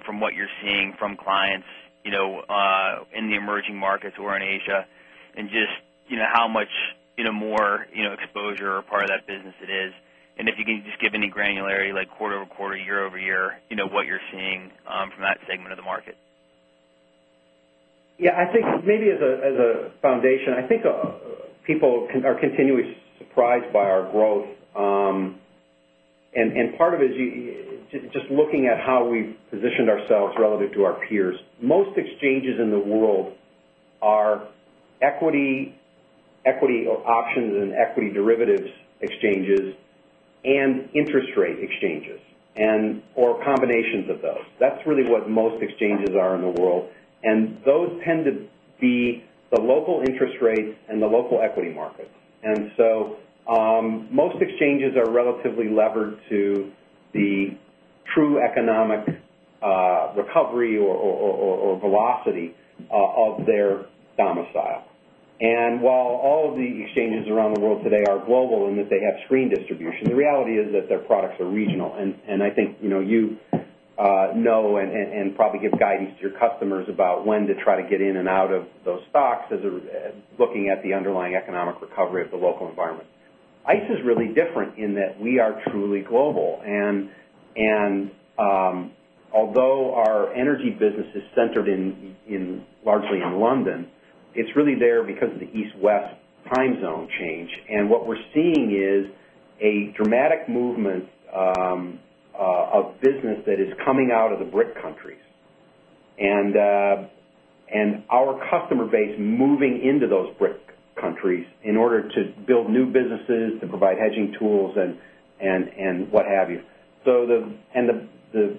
from what you're seeing from clients in the emerging markets or in Asia? And just how much more exposure or part of that business it is? And if you can just give any granularity like quarter over quarter year over year what you're seeing from that segment of the market? Yes. I think maybe as a foundation, I think people are continually surprised by our growth. And part of it is just looking at how we've positioned ourselves relative to our peers. Most exchanges in the world are equity options and equity derivatives exchanges and interest rate exchanges and or combinations of those. That's really what most exchanges are in the world. And those tend to be the local interest rates and the local equity markets. And so most exchanges are relatively levered to the true economic recovery or velocity of their domicile. And while all of the exchanges around the world today are global and that they have screen distribution, the reality is that their products are regional. And I think you know and probably give guidance to your customers about when to try to get in and out of those stocks as looking at the underlying economic recovery of the local environment. ICE is really different in that we are truly global. And although our energy business is centered in largely in London, it's really there because of the East West time zone change. And what we're seeing is a dramatic movement of business that is coming out of the BRIC countries. And our customer base moving into those BRIC countries in order to build new businesses to provide hedging tools and what have you. So the and the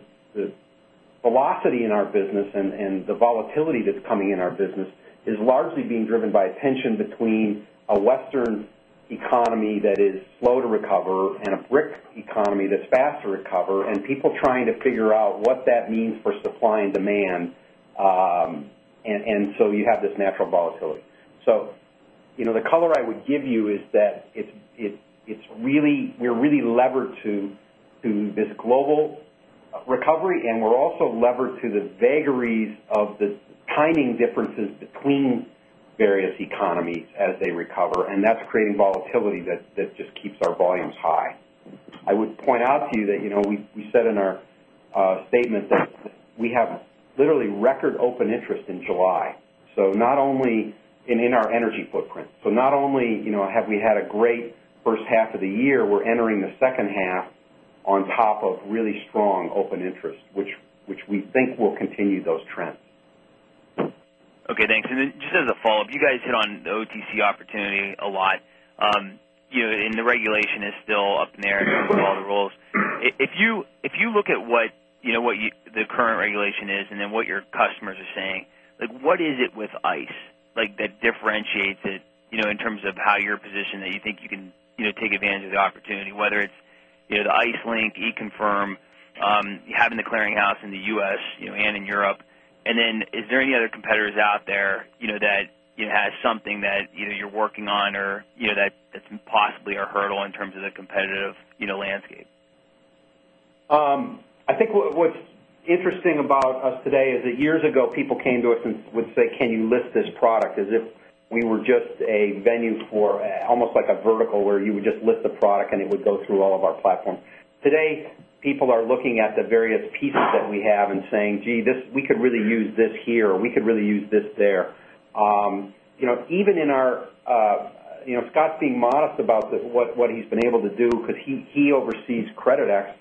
velocity in our business and the volatility that's coming in our business is largely being driven by a tension between a Western economy that is slow to recover and a BRIC economy that's fast to recover and people trying to figure out what that means for supply and demand. And so you have this natural volatility. So the color I would give you is that it's really we're really levered to this global recovery and we're also levered to the vagaries of the timing differences between various economies as they recover and that's creating volatility that just keeps our volumes high. I would point out to you that we said in our statement that we have literally record open interest in July. So not only and in our energy footprint. So not only have we had a great first half of the year, we're entering the second half on top of really strong open interest, which we think will continue those trends. Okay. Thanks. And then just as a follow-up, you guys hit on OTC opportunity a lot. And the regulation is still up there due to all the rules. If you look at what the current regulation is and then what your customers are saying, Like what is it with ICE like that differentiates it in terms of how you're positioned that you think you can take advantage of the opportunity whether it's the IceLink, e confirm, you have in the clearinghouse in the U. S. And in Europe? And then is there any other competitors out there that has something that you're working on or that's possibly a hurdle in terms of the competitive landscape? I think what's interesting about us today is that years ago people came to us and would say, can you list this product as if we were just a venue for almost like a vertical where you would just list the product and it would go through all of our platforms. Today, people are looking at the various pieces that we have and saying, gee, this we could really use this here or we could really use this there. Even in our Scott's being modest about what he's been able to do because he oversees Creditex.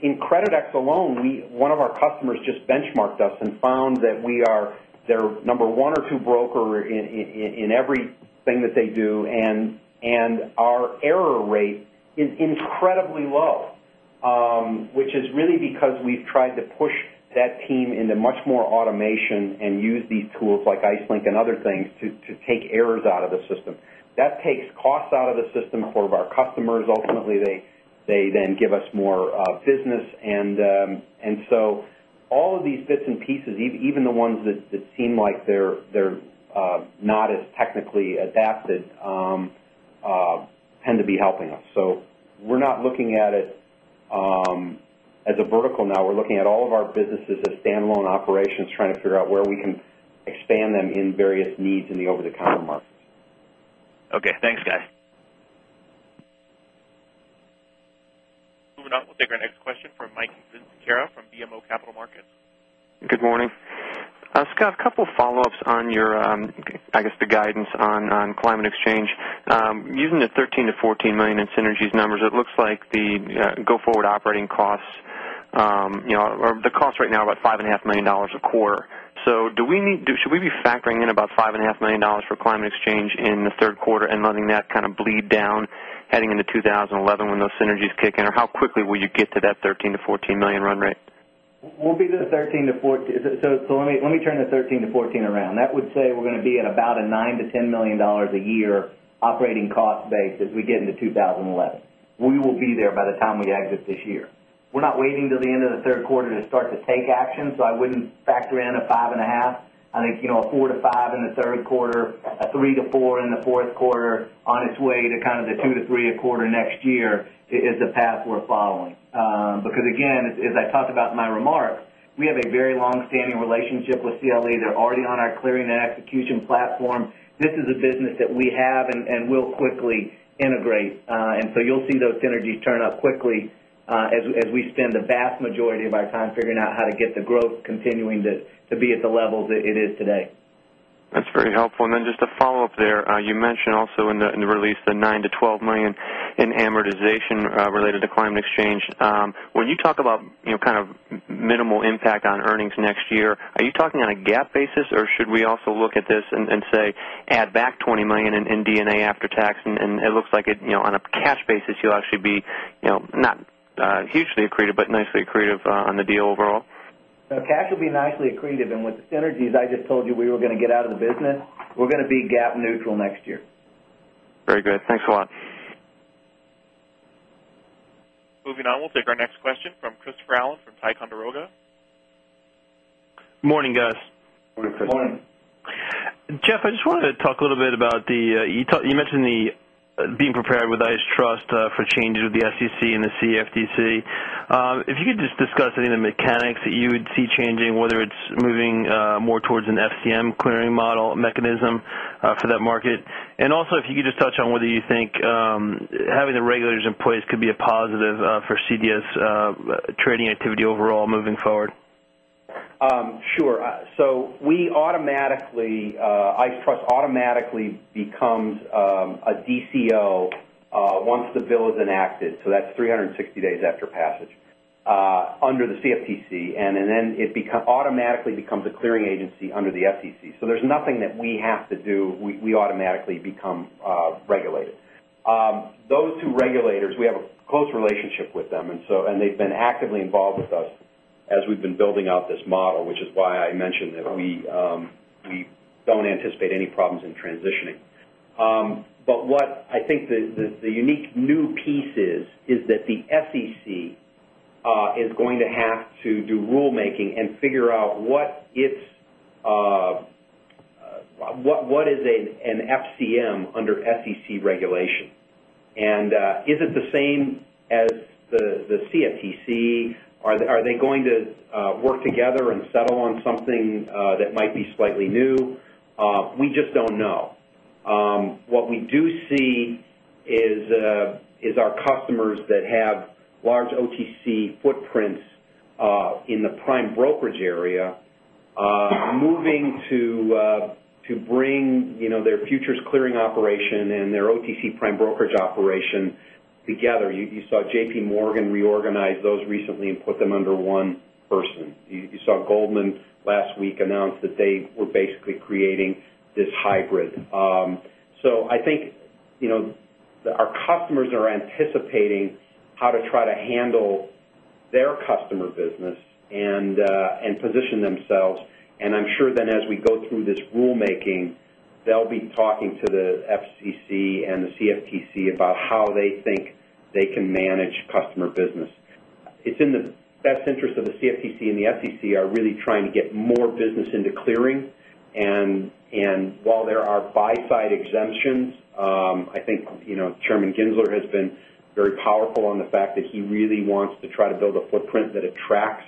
In Creditex alone, we one of our customers just benchmarked us and found that we are their number 1 or 2 broker in every thing that they do. And our error rate is incredibly low, which is really because we've tried to push that team into much more automation and use these tools like IceLink and other things to take errors out of the system. That takes costs out of the system for our customers. Ultimately, they then give us more business. And so all of these bits and pieces even the ones that seem like they're not as technically adapted tend to be helping us. So we're not looking at it as a vertical now. We're looking at all of our businesses as standalone operations trying to figure out where we can expand them in various needs in the over the counter market. Okay. Thanks guys. Moving on, we'll take our next question from Mike Sinchera from BMO Capital Markets. Good morning. Scott, a couple of follow ups on your, I guess, the guidance on Climate Exchange. Using the $13,000,000 to $14,000,000 in synergies numbers, it looks like the go forward operating costs or the costs right now about $5,500,000 a quarter. So do we need should we be factoring in about $5,500,000 for Climate Exchange in the Q3 and letting that kind of bleed down heading into 2011 when those synergies kick in? Or how quickly will you get to that $13,000,000 to $14,000,000 run rate? We'll be the $13,000,000 to $14,000,000 so let me turn the $13,000,000 to $14,000,000 around. That would say we're going to be at about a 9 to $10,000,000 a year operating cost base as we get into 2011. We will be there by the time we exit this year. We're not waiting until the end of Q3 to start to take action. So I wouldn't factor in a 5.5%. I think 4% to 5% in the 3rd quarter, a 3% to 4% in the 4th quarter on its way to kind of the 2% to 3% a quarter next year is the path we're following. Because again, as I talked about in my remarks, we have a very long standing relationship with CLE. They're already on our clearing and execution platform. This is a business that we have and will quickly integrate. And so you'll see those synergies turn up quickly as we spend the vast majority of our time figuring out how to get the growth continuing to be at the levels that it is today. That's very helpful. And then just a follow-up there. You mentioned also in the release the $9,000,000 to 12,000,000 dollars in amortization related to Climate Exchange. When you talk about kind of minimal impact on earnings next year, are you talking on a GAAP basis? Or should we also look at this and say add back $20,000,000 in D and A after tax? And it looks like on a cash basis, you'll actually be not hugely accretive, but nicely accretive on the deal overall? No, cash will be nicely accretive. And with the synergies I just told you we were going to get out of the business, we're going to be GAAP neutral next year. Very good. Thanks a lot. Moving on, we'll take our next question from Christopher Allen from Ticonderoga. Good morning, guys. Good morning, Chris. Good morning. Jeff, I just wanted to talk a little bit about the you mentioned the being prepared with ICE Trust for changes with the SEC and the CFTC. If you could just discuss any of the mechanics that you would see changing, whether it's moving more towards an FCM clearing model mechanism for that market? And also if you could just touch on whether you think having the regulators in place could be a positive for CDS trading activity overall moving forward? Sure. So we automatically ICE Trust automatically becomes a DCO once the bill is enacted. So that's 360 days after passage under the CFTC. And then it automatically becomes a clearing agency under the SEC. So there's nothing that we have to do, we automatically become regulated. Those 2 regulators, we have a close relationship with them and so and they've been actively involved with us as we've been building out this model, which is why I mentioned that we don't anticipate any problems in transitioning. But what I think the unique new piece is, is that the SEC is going to have to do rule making and figure out what is an FCM under SEC regulation? And is it the same as the CFTC? Are they going to work together and settle on something that might be slightly new? We just don't know. What we do see is our customers that have large OTC footprints in the prime brokerage area moving to bring their futures clearing operation and their OTC prime brokerage operation together. You saw JPMorgan reorganize those recently and put them under one person. You saw Goldman last week announce that they were basically creating this hybrid. So I think our customers are anticipating how to try to handle their customer business and position themselves. And I'm sure then as we go through this rulemaking, they'll be talking to the FCC and the CFTC about how they think they can manage customer business. It's in the best interest of the CFTC and the SEC are really trying to get more business into clearing. And while there are buy side exemptions, I think Chairman Gensler has been very powerful on the fact that he really wants to try to build a footprint that attracts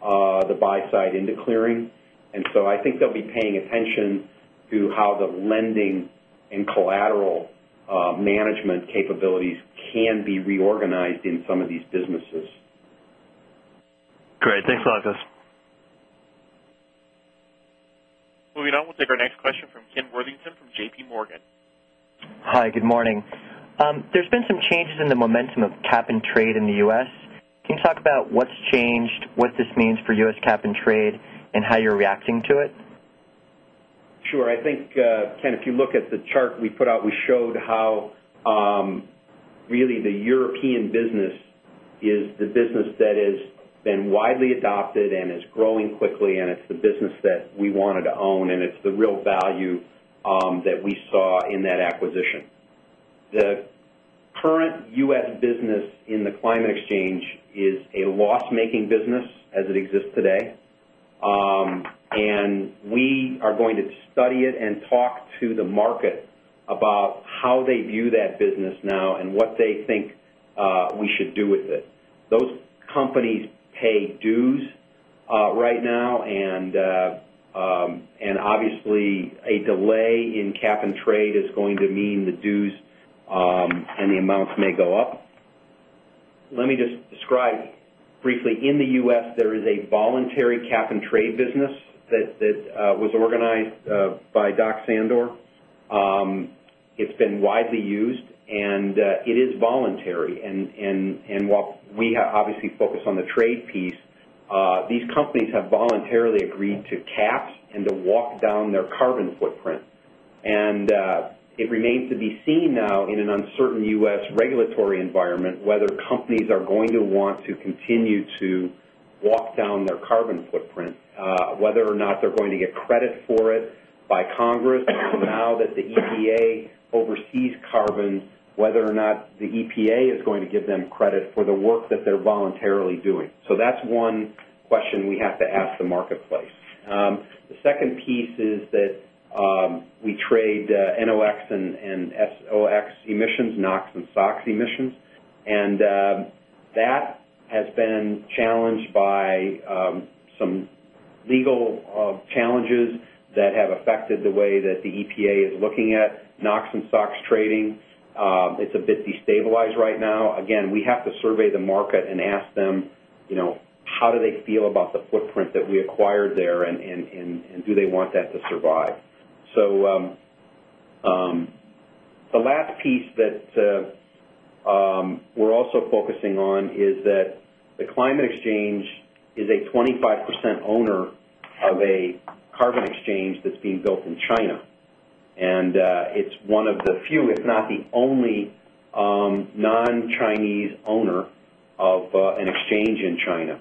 the buy side into clearing. And so I think they'll be paying attention to how the lending and collateral management capabilities can be reorganized in some of these businesses. Great. Thanks a lot guys. Moving on, we'll take our next question from Ken Worthington from JPMorgan. Hi, good morning. There's been some changes in the momentum of cap and trade in the U. S. Can you talk about what's changed? What this means for U. S. Cap and trade? And how you're reacting to it? Sure. I think, Ken, if you look at the chart we put out, we showed how really the European business is the business that has been widely adopted and is growing quickly and it's the business that we wanted to own and it's the real value that we saw in that acquisition. The current U. S. Business in the Climate Exchange is a loss making business as it exists today. And we are going to study it and talk to the market about how they view that business now and what they think we should do with it. Those companies pay dues right now And obviously, a delay in cap and trade is going to mean the dues and the amounts may go up. Let me just describe briefly. In the U. S. There is a voluntary cap and trade business that was organized by Doc Sandor. It's been widely used and it is voluntary. And while we obviously focus on the trade piece, these companies have voluntarily agreed to cap and to walk down their carbon footprint. And it remains to be seen now in an uncertain U. S. Regulatory environment whether companies are going to want to continue to walk down their carbon footprint, whether or not they're going to get credit for it by Congress now that the EPA oversees carbon, whether or not the EPA is going to give them credit for the work that they're voluntarily doing. So that's one question we have to ask the marketplace. The second piece is that we trade NOx and SOx emissions NOx and SOx emissions. And that has been challenged by some legal challenges that have affected the way that the EPA is looking at NOx and SOx trading. It's a bit destabilized right now. Again, we have to survey the market and ask them how do they feel about the footprint that we acquired there and do they want that to survive. So the last piece that we're also focusing on is that the Climate Exchange is a 25% owner of a carbon exchange that's being built in China. And it's one of the few if not the only non Chinese owner of an exchange in China.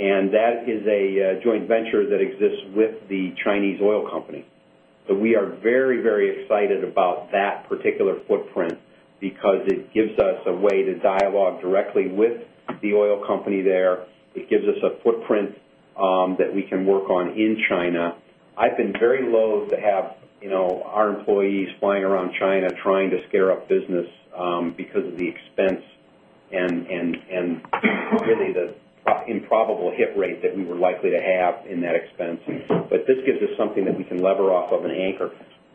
And that is a joint venture that exists with the Chinese oil company. So we are very, very excited about that particular footprint, because it gives us a way to dialogue directly with the oil company there. It gives us a footprint that we can work on in China. I've been very loathed to have our employees flying around China trying to scare up business because of the expense and really the improbable hit rate that we were likely to have in that expense. But this gives us something that we can lever off of an anchor.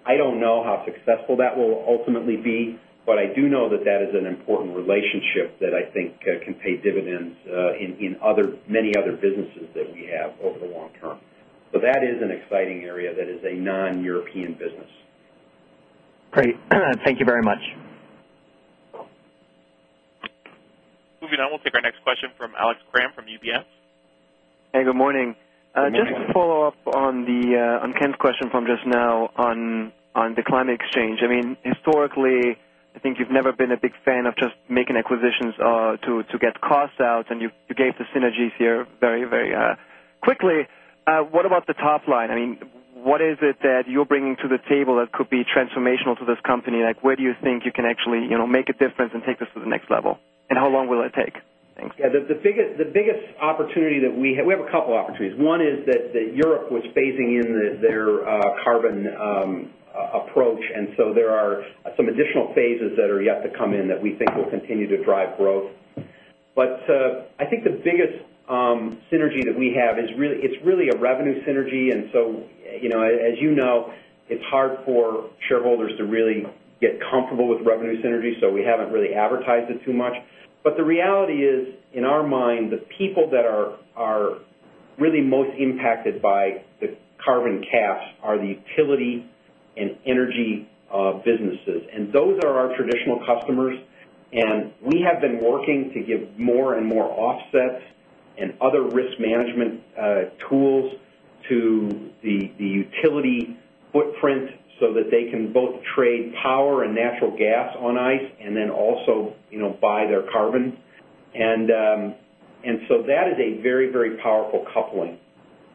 I don't know how successful that will ultimately be, but I do know that that is an important relationship that I think can pay dividends in other many other businesses that we have over the long term. So that is an exciting area that is a non European business. Great. Thank you very much. Moving on, we'll take our next question from Alex Kramm from UBS. Hey, good morning. Good morning. Just a follow-up on the on Ken's question from just now on the Climate Exchange. I mean, historically, I think you've never been a big fan of just making acquisitions to get costs out and you gave the synergies here very, very quickly. What about the top line? I mean, what is it that you're bringing to the table that could be transformational to this company? Like where do you think you can actually make a difference and take this to the next level? And how long will it take? Thanks. Yes. The biggest opportunity that we have we have a couple of opportunities. One is that Europe was phasing in their carbon approach. And so there are some additional phases that are yet to come in that we think will continue to drive growth. But I think the biggest synergy that we have is really it's really a revenue synergy. And so as you know, it's hard for shareholders to really get comfortable with revenue synergies. So we haven't really advertised it too much. But the reality is in our mind, the people that are really most impacted by the carbon caps are the utility and energy businesses. And those are our traditional customers. And we have been working to give more and more offsets and other risk management tools to the utility footprint so that they can both trade power and natural gas on ice and then also buy their carbon. And so that is a very, very powerful coupling.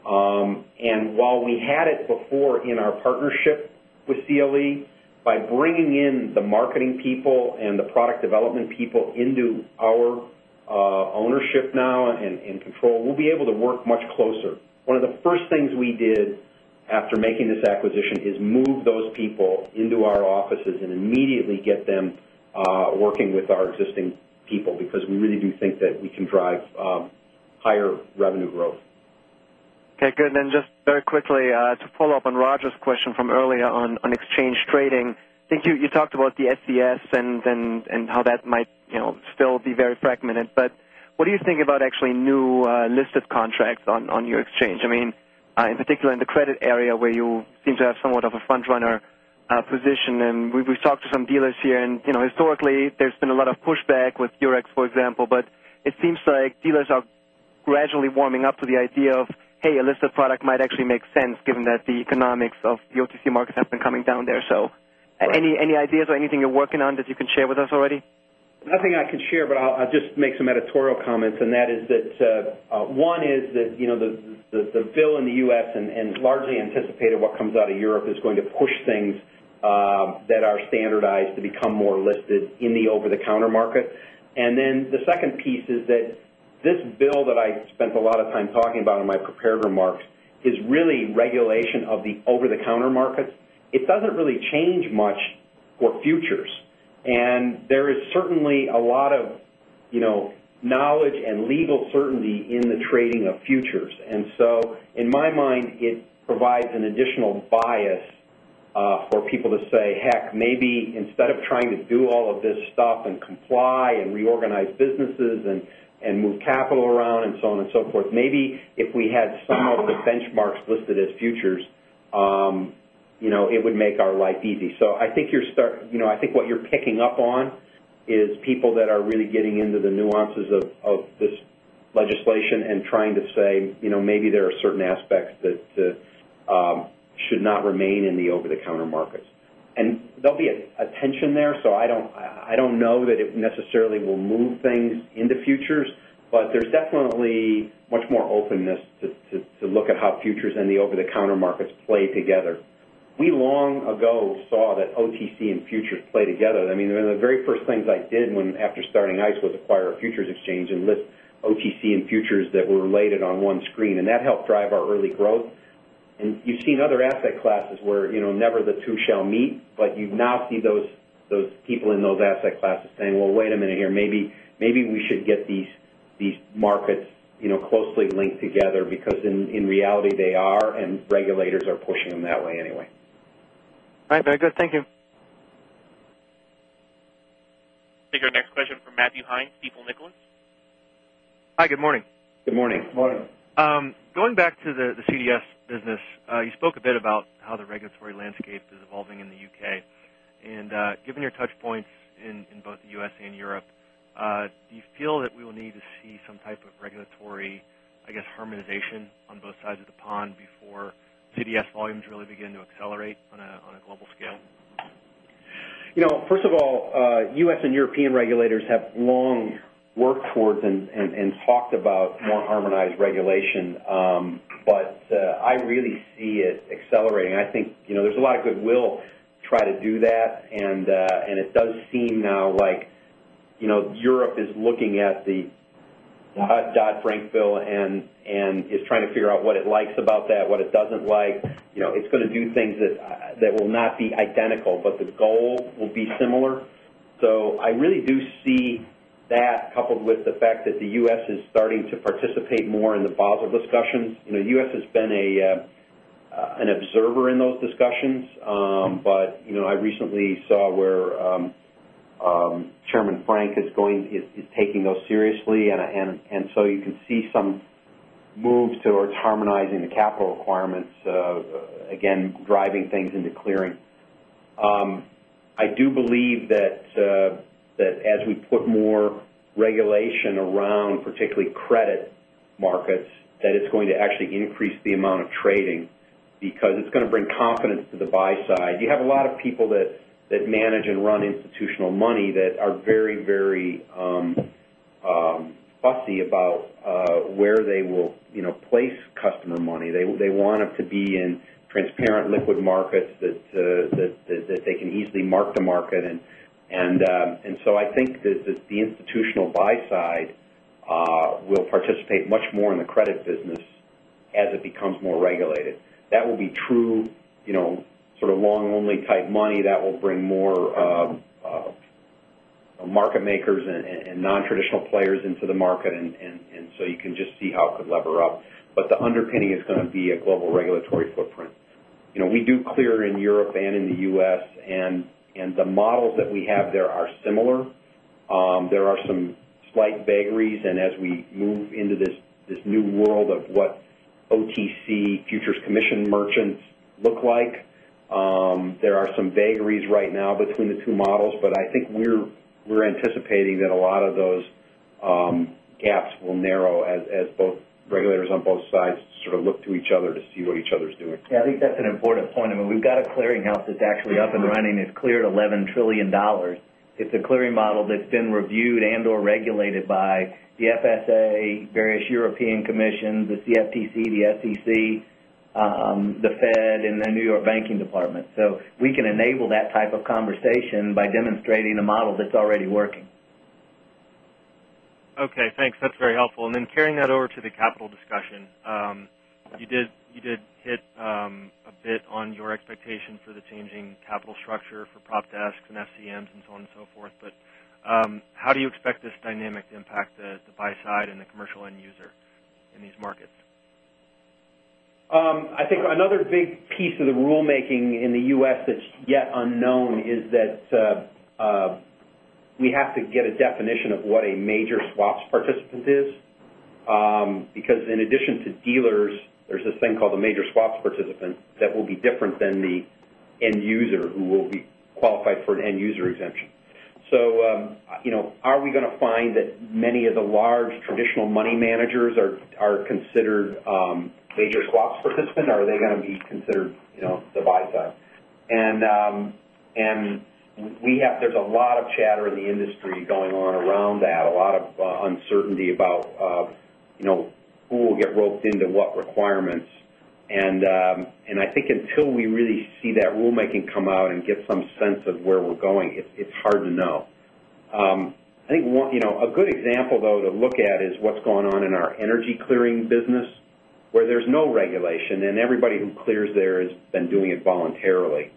And while we had it before in our partnership with CLE, by bringing in the marketing people and the product development people into our ownership now and control, we'll be able to work much closer. One of the first things we did after making this acquisition is move those people into our offices and immediately get them working with our existing people because we really do think that we can drive higher revenue growth. Okay. Good. And then just very quickly to follow-up on Roger's question from earlier on exchange trading. I think you talked about the SCS and how that might still be very fragmented. But what do you think about actually new listed contracts on your exchange? I mean, in particular, in the credit area where you seem to have somewhat of a frontrunner position. And we've talked to some dealers here and historically, there's been a lot of pushback with Eurex, for example, but it seems like dealers are gradually warming up to the idea of, hey, a list of product might actually make sense given that the economics of the OTC markets have been coming down there. So any ideas or anything you're working on that you can share with us already? Nothing I can share, but I'll just make some editorial comments and that is that one is that the bill in the U. S. And largely anticipated what comes out of Europe is going to push things that are standardized to become more listed in the over the counter market. And then the second piece is that this bill that I spent a lot of time talking about in my prepared remarks is really regulation of the over the counter markets. It doesn't really change much for futures. And there is certainly a lot of knowledge and legal certainty in the trading of futures. And so in my mind, it provides an additional bias for people to say, heck, maybe instead of trying to do all of this stuff and comply and reorganize businesses and move capital around and so on and so forth, maybe if we had some of the benchmarks listed as futures, it would make our life easy. So I think you're I think what you're picking up on is people that are really getting into the nuances of this legislation and trying to say maybe there are certain aspects that should not remain in the over the counter markets. And there'll be a tension there. So I don't know that it necessarily will move things into futures, but there's definitely much more openness to look at how futures and the over the counter markets play together. We long ago saw that OTC and futures play together. I mean, one of the very first things I did when after starting ICE was acquire a futures exchange and list OTC and futures that were related on one screen and that helped drive our early growth. And you've seen other asset classes where never the 2 shall meet, but you've now seen those people in those asset classes saying, well, wait a minute here, maybe we should get these markets closely linked together because in reality they are and regulators are pushing them that way anyway. All right. Very good. Thank you. We'll take our next question from Matthew Hynes, Stifel, Nickelodeon. Hi, good morning. Good morning. Good morning. Going back to the CDS business, you spoke a bit about how the regulatory landscape is evolving in the U. K. And given your touch points in both the U. S. And Europe, do you feel that we will need to see some type of regulatory, I guess harmonization on both sides of the pond before CDS volumes really begin to accelerate on a global scale? First of all, U. S. And European regulators have long worked towards and talked about more harmonized regulation. But I really see it accelerating. I think there's a lot of goodwill trying to do that. And it does seem now like Europe is looking at the Dodd Frankville and is trying to figure out what it likes about that, what it doesn't like. It's going to do things that will not be identical, but the goal will be similar. So I really do see that coupled with the fact that the U. S. Is starting to participate more in the Basel discussions. U. S. Has been an observer in those discussions. But I recently saw where Chairman Frank is going is taking those seriously. And so you can see some moves towards harmonizing the capital requirements again driving things into clearing. I do believe that as we put more regulation around particularly credit markets that it's going to actually increase the amount of trading because it's going to bring confidence to the buy side. You have a lot of people that manage and run institutional money that are very, very fussy about where they will place customer money. They want them to be in transparent liquid markets that they can easily mark to market. And so I think that the institutional buy side will participate much more in the true sort of long only type money that will bring more market makers and non traditional players into the market. And so you can just see how it could lever up. But the underpinning is going to be a global regulatory footprint. We do clear in Europe and in the U. S. And the models that we have there are similar. There are some slight vagaries and as we move into this new world of what OTC Futures Commission Merchants look like, there are some vagaries right now between the two models. But I think we're anticipating that a lot of those gaps will narrow as both regulators on both sides sort of look to each other to see see what each other is doing. Yes. I think that's an important point. I mean, we've got a clearinghouse that's actually up and running. It's cleared $11,000,000,000,000 It's a clearing model that's been reviewed and or regulated by the FSA, various European commissions, the CFTC, the SEC, the Fed and the New York Banking Department. So we can enable that type of conversation by demonstrating a model that's already working. Okay. Thanks. That's very helpful. And then carrying that over to the capital discussion. You did hit a bit on your expectation for the changing capital structure for prop desks and FCMs and so on and so forth. But how do you expect this dynamic to impact the buy side and the commercial end user in these markets? I think another big piece of the rulemaking in the U. S. That's yet unknown is that we have to get a definition of what a major swaps participant is, because in addition to dealers, there's this thing called the major swaps participant that will be different than the end user who will be qualified for an end user exemption. So are we going to find that many of the large traditional money managers are considered major swaps participant? Or are they going to be considered the buy side? And we have there's a lot of chatter in the industry going on around that, a lot of uncertainty about who will get roped into what requirements. And I think until we really see that rulemaking come out and get some sense of where we're going, it's hard to know. I think a good example though to look at is what's going on in our energy clearing business where there's no regulation and everybody who clears there has been doing it voluntarily.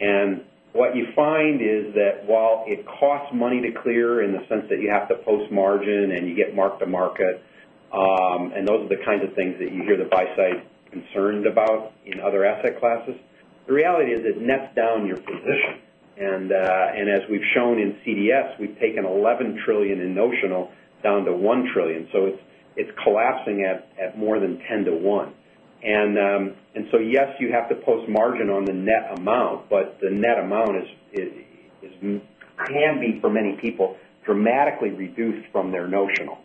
And what you find is that while it costs money to clear in the sense that you have to post margin and you get mark to market, and those are the kinds of things that you hear the buy side concerned about in other asset classes. The reality is it nets down your position. And as we've shown in CDS, we've taken $11,000,000,000,000 in notional down to $1,000,000,000,000 So it's collapsing at more than $10,000,000,000 to $1,000,000,000 And so yes, you have post margin on the net amount, but the net amount is can be for many people dramatically reduced from their notional.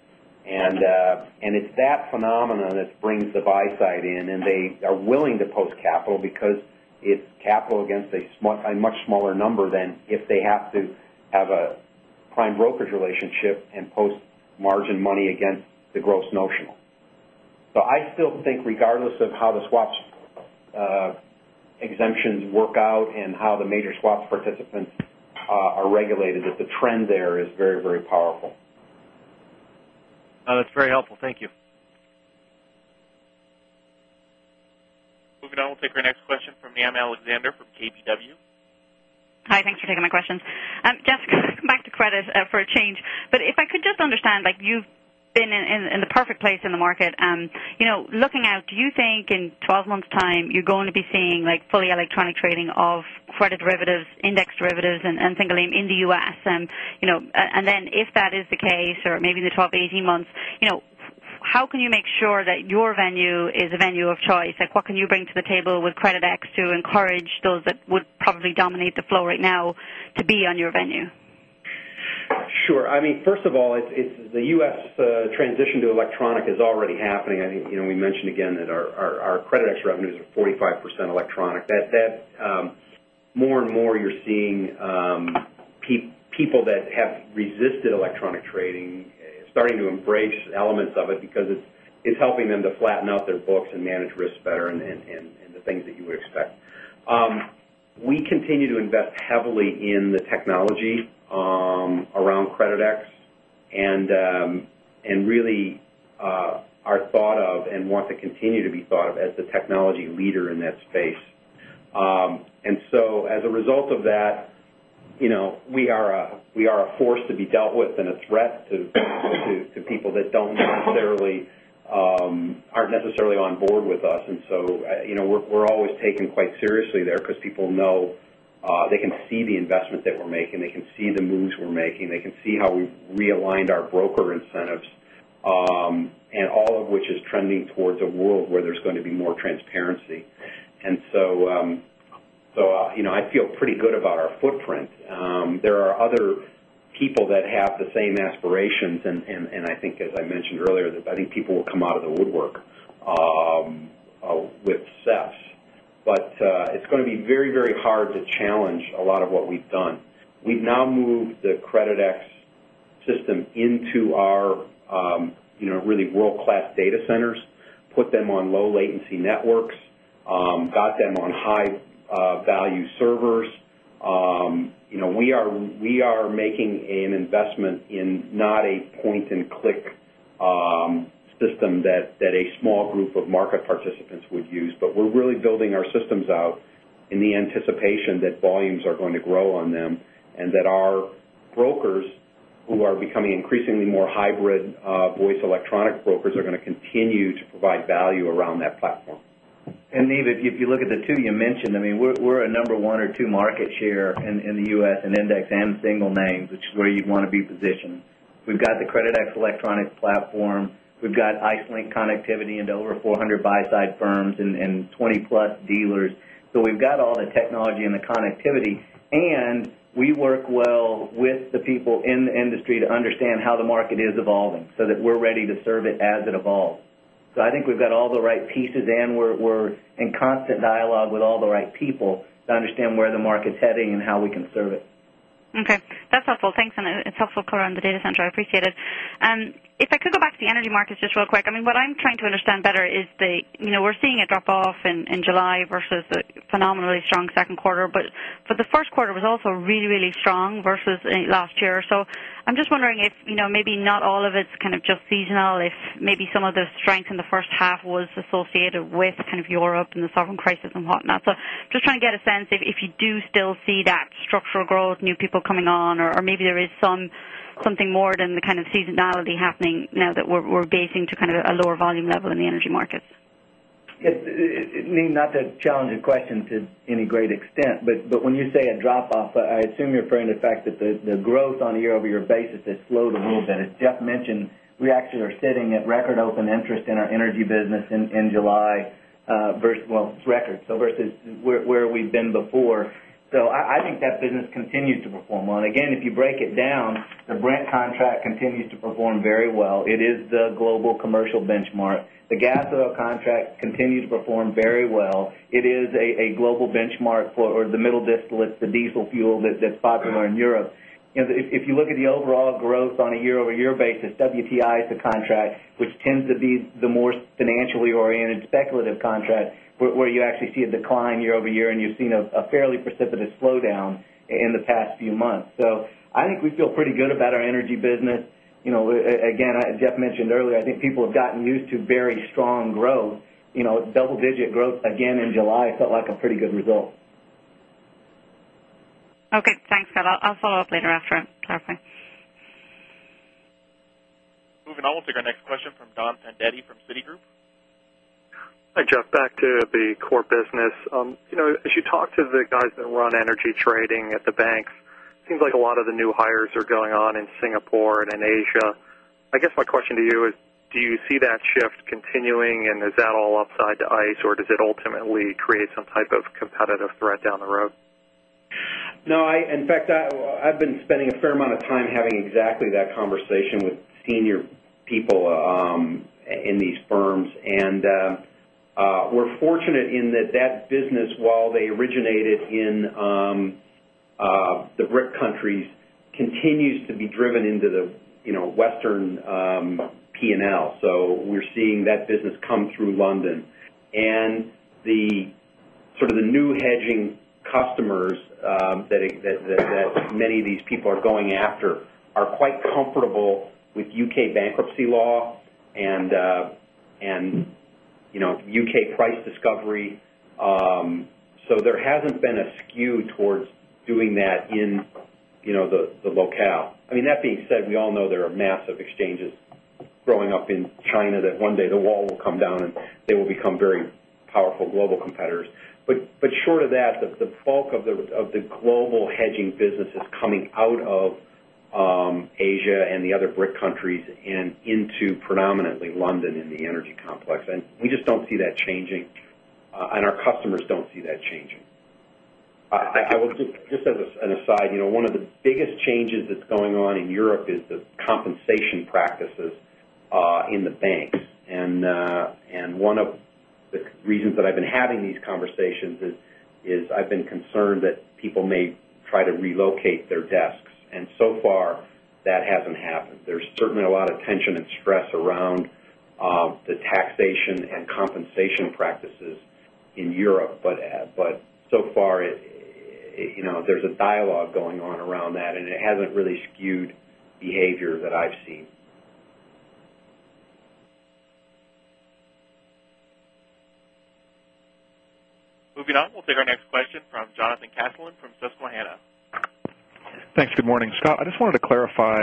And it's that phenomenon that brings the buy side in and they are willing to post capital because it's capital against a much smaller number than if they have to have a prime brokerage relationship and post margin money against the gross notional. So I still think regardless of how the swaps exemptions work out and how the major swaps participants are regulated that the trend there is very, very powerful. That's very helpful. Thank you. Moving on, we'll take our next question from Miyan Alexander from KBW. Hi. Thanks for taking my questions. Jeff, back to credit for a change. But if I could just understand, like you've been in the perfect place in the market. Looking out, do you think in 12 months' time, you're going to be seeing like fully electronic trading of credit derivatives, index derivatives and think of them in the U. S? And then if that is the case or maybe the 12 to 18 months, how can you make sure that your venue is a venue of choice? Like what can you bring to the table with Creditex to encourage those that would probably dominate the flow right now to be on your venue? Sure. I mean, first of all, it's the U. S. Transition to electronic is already happening. I think we mentioned again that our Creditex revenues are 45 percent electronic. That more and more you're seeing people that have resisted electronic trading starting to embrace elements of it because it's helping them to flatten out their books and manage risk better and the things that you would expect. We continue to invest heavily in the technology around Creditex and really are thought of and want to continue to be thought of as the technology leader in that space. And so as a result of that, we are a force to be dealt with and a threat to people that don't necessarily necessarily on board with us. And so we're always taken quite seriously there because people know they can see the investment that we're making. They can see the moves we're making. They can see how we've realigned our broker incentives and all of which is trending towards a world where there's going to be more transparency. And so I feel pretty good about our footprint. There are other people that have the same aspirations. And I think as I mentioned earlier that I think people will come out of the woodwork with SEFS. But it's going to be very, very hard to challenge a lot of what we've done. We've now moved the Creditex system into our really world class data centers, put them on low latency networks, got them on high value servers. We are making an investment in not a point and click system that a small group of market participants would use. But we're really building our systems out the anticipation that volumes are going to grow on them and that our brokers who are becoming increasingly more hybrid voice electronic brokers are going to continue to provide value around that platform. And Neve, if you look at the 2 you mentioned, I mean, we're a number 1 or 2 market share in the U. S. In index and single name, which is where you'd want to be positioned. We've got the Creditex Electronics platform. We've got Icelink connectivity and over 400 buy side firms and 20 plus dealers. So we've got all the technology and the connectivity. And we work well with the people in the industry to understand how the market is evolving, so that we're ready to serve it as it evolves. So I think we've got all the right pieces and we're in constant dialogue with all the right people to understand where the market's heading and how we can serve it. Okay. That's helpful. Thanks. And it's helpful color on the data center. I appreciate it. If I could go back to the energy markets just real quick, I mean, what I'm trying to understand better is the we're seeing a drop off in July versus a phenomenally strong Q2. But the Q1 was also really, really strong versus last year. So I'm just wondering if maybe not all of it's kind of just seasonal, if maybe some of the strength in the first half was associated with kind of Europe and the sovereign crisis and whatnot. So just trying to get a sense if you do still see that structural growth, new people coming on? Or maybe there is something more than the kind of seasonality happening now that we're basing to kind of a lower volume level in the energy markets? Yes. It's not to challenge a question to any great extent, but when you say a drop off, I assume you're referring to the fact that the growth on a year over year basis has slowed a little bit. As Jeff mentioned, we actually are sitting at record open interest in our energy business in July, well, record, so versus where we've been before. So I think that business continues to perform well. And again, if you break it down, the Brent contract continues to perform very well. It is the global commercial benchmark. The gas oil contract continues to perform very well. It is a global benchmark for the middle distillates, the diesel fuel that's popular in Europe. If you look at the overall growth on a year over year basis, WTI is the contract, which tends to be the more financially oriented speculative contract, where you actually see a decline year over year and you've seen a fairly precipitous slowdown in the past few months. So I think we feel pretty good about our energy business. Again, Jeff mentioned earlier, I think people have gotten used to very strong growth. Double digit growth again in July felt like a pretty good result. Okay. Thanks, guys. I'll follow-up later after. Moving on, we'll take our next question from Don Fandetti from Citigroup. Hi, Jeff. Back to the core business. As you talk to the guys that run energy trading at the banks, it seems like a lot of the new hires are going on in Singapore and in Asia. I guess my question to you is, do you see that shift continuing? And is that all upside to ice? Or does it ultimately create some type of competitive threat down the road? No. In fact, I've been spending a fair amount of time having exactly that conversation with senior people in these firms. And we're fortunate in that that business while they originated in the BRIC countries continues to be driven into the Western P and L. So we're seeing that business come through London. And the sort of the new hedging customers that many of these people are going after are quite comfortable with U. K. Bankruptcy law and U. K. Price discovery. So there hasn't been a skew towards doing that in the locale. I mean that being said, we all know there are massive exchanges growing up in China that one day the wall will come down and they will become very powerful global competitors. But short of that, the bulk of the global hedging businesses coming out of Asia and the other brick countries and into predominantly London in the energy complex. And we just don't see that changing and our customers don't see that changing. I would just just as an aside, one of the biggest changes that's going on in Europe is the compensation practices in the banks. And one of the reasons that I've been having these conversations is I've been concerned that people may try to relocate their desks. And so far that hasn't happened. There's certainly a lot of tension and stress around the taxation and compensation practices in Europe. But so far there's a dialogue going on around that and it hasn't really skewed behavior that I've seen. Moving on, we'll take our next question from Jonathan Casselin from Susquehanna. Thanks. Good morning. Scott, I just wanted to clarify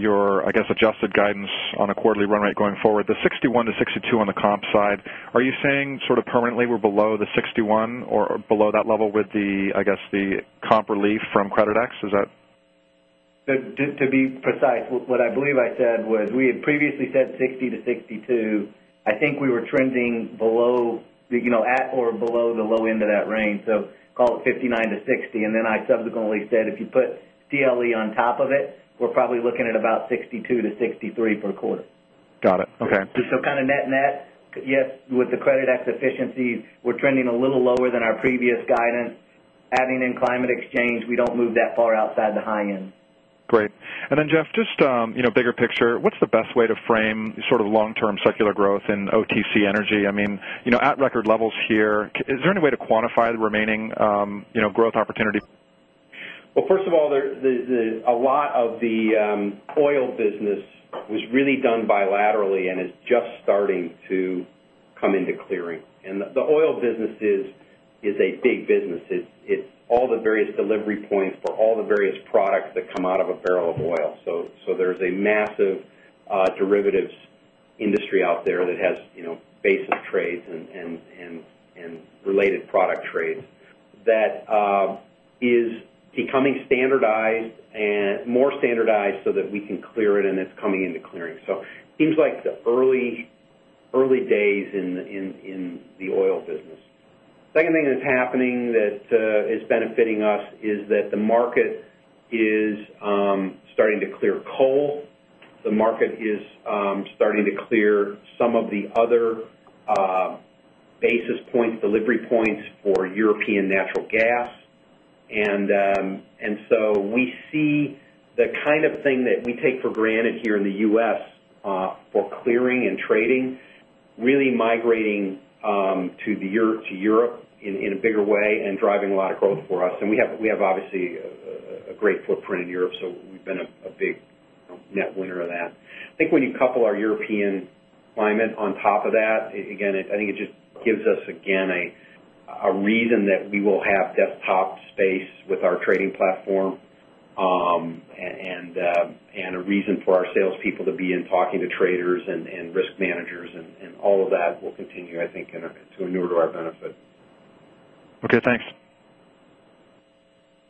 your, I guess, adjusted guidance on a quarterly run rate going forward, the 61% to 62% on the comp side. Are you saying sort of permanently we're below the 61% or below that level with the I guess the comp relief from Creditex? Is that To be precise, what I believe I said was we had previously said 60% to 62%. I think we were trending below at or below the low end of that range. So call it 59% to 60%. And then I subsequently said if you put CLE on top of it, we're probably looking at about $62,000,000 to $63,000,000 per quarter. Got it. Okay. So kind of net net, yes, with the CreditX efficiencies, we're trending a little lower than our previous guidance. Adding in climate exchange, we don't move that far outside the high end. Great. And then Jeff, just bigger picture, what's the best way to frame sort of long term secular growth in OTC Energy? I mean, at record levels here, is there any way to quantify the remaining growth opportunity? Well, first of all, there is a lot of the oil business was really done bilaterally and is just starting to come into clearing. And the oil business is a big business. It's all the various delivery points for all the various products that come out of a barrel of oil. So there's a massive derivatives industry out there that has basic trades and related product trades that is becoming standardized and more standardized so that we can clear it and it's coming into clearing. So seems like the early days in the oil business. Second thing that's happening that is benefiting us is that the market is starting to clear coal. The market is starting to clear some of the other basis points delivery points for European natural gas. And so we see the kind of thing that we take for granted here in the U. S. For clearing and trading really migrating to Europe in a bigger way and driving a lot of growth for us. And we have obviously a great footprint in Europe. So we've been a big net winner of that. I think when you couple our European climate on top of that, again, I think it just gives us again a reason that we will have desktop space with our trading platform and a reason for our salespeople to be in talking to traders and risk managers and all of that will continue I think to a newer to our benefit. Okay. Thanks.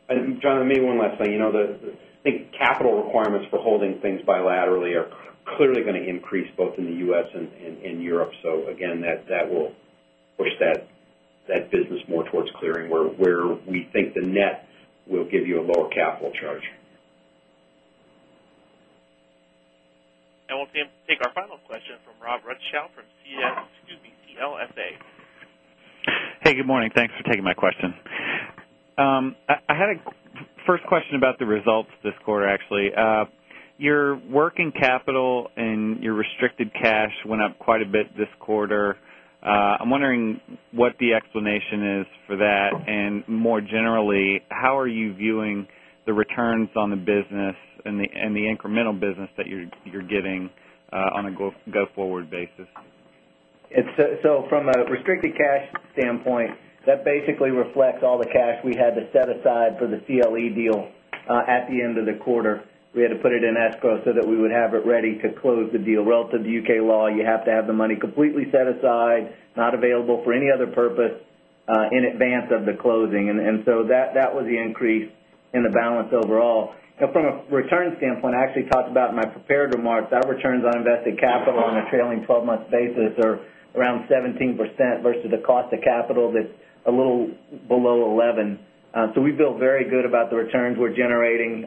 And John maybe one last thing. I think capital requirements for holding things bilaterally are clearly going to increase both in the U. S. And in Europe. So again that will push that business more towards clearing where we think the net will give you a lower capital charge. And we'll take our final question from Rob Ruchow from CSCO BPOFA. Hey, good morning. Thanks for taking my question. I had a first question about the results this quarter actually. Your working capital and your restricted cash went up quite a bit this quarter. I'm wondering what the explanation is for that? And more generally, how are you viewing the returns on the business and the incremental business that you're getting on a go forward basis? So from a restricted cash standpoint, that basically reflects all the cash we had to set aside for the CLE deal at the end of the quarter. We had to put it in escrow so that we would have it ready to close the deal. Relative to U. K. Law, you have to have the money completely set aside, not available for any other purpose in advance of the closing. And so that was the increase in the balance overall. From a return standpoint, I actually talked about in my prepared remarks, our returns on invested capital on a trailing 12 month basis are around 17% versus the cost of capital that's a little below 11%. So we feel very good about the returns we're generating.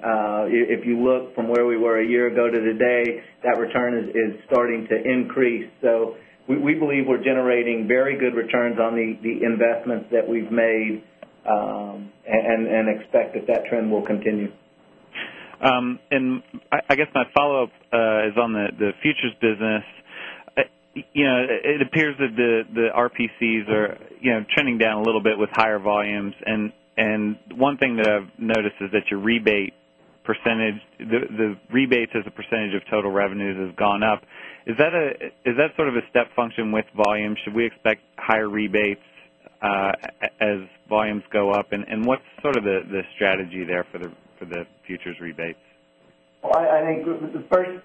If you look from where we were a year ago to today that return is starting to increase. So we believe we're generating very good returns on the investments that we've made and expect that that trend will continue. And I guess my follow-up is on the futures business. It appears that the RPCs are trending down a little bit with higher volumes. And one thing that I've noticed is that your rebate percentage the rebates as a percentage of total revenues has gone up. Is that sort of a step function with volume? Should we expect higher rebates as volumes go up? And what's sort of the strategy there for the futures rebates? Well, I think the first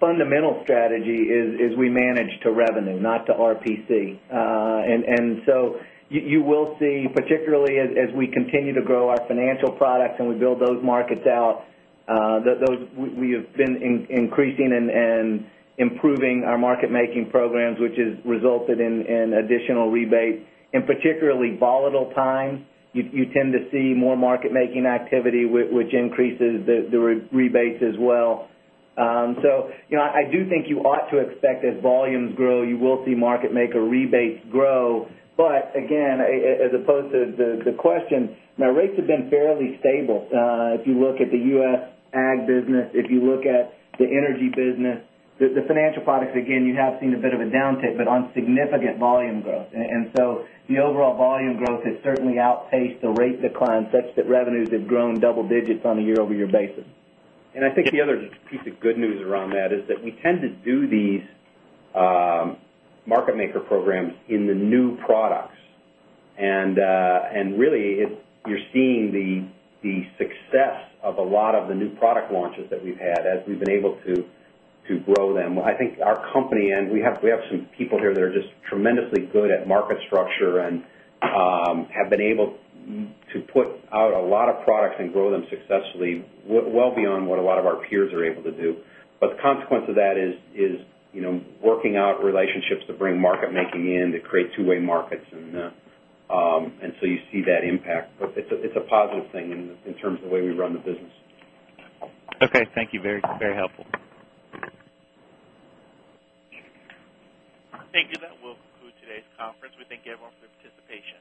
fundamental strategy is we manage to revenue not to RPC. And so you will see, particularly as we continue to grow our financial products and we build those markets out, those we have been increasing and improving our market making programs, which has resulted in additional rebates. In particularly volatile times, you tend to see more market making activity, which increases the rebates as well. So I do think you ought to expect as volumes grow, you will see market maker rebates grow. But again, as opposed to the question, now rates have been fairly stable. If you look at the U. S. Ag business, if you look at the energy business, the financial products again you have seen a bit of a downtick, but on significant volume growth. And so the overall volume growth has certainly outpaced the rate decline such that revenues have grown double digits on a year over year basis. And I think the other piece of good news around that is that we tend to do these market maker programs in the new products. And really you're seeing the success of a lot of the new product launches that we've had as we've been able to grow them. I think our company and we have some people here that are just tremendously good at market structure and have been able to put out a lot of products and grow them successfully well beyond what a lot of our peers are able to do. But the consequence of that is working out relationships to bring market making in to create two way markets. And so you see that impact. But it's a positive thing in terms of the way we run the business. Okay. Thank you. Very helpful. Thank you. That will conclude today's conference. We thank you everyone for your participation.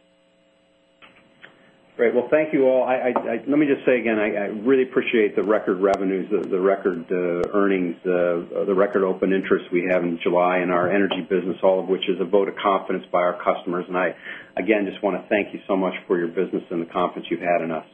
Great. Well, thank you all. Let me just say again, I really appreciate the record revenues, the record earnings, the record open interest we have in July in our energy business all of which is a vote of confidence by our customers. And I again just want to thank you so much for your business and the confidence you've had in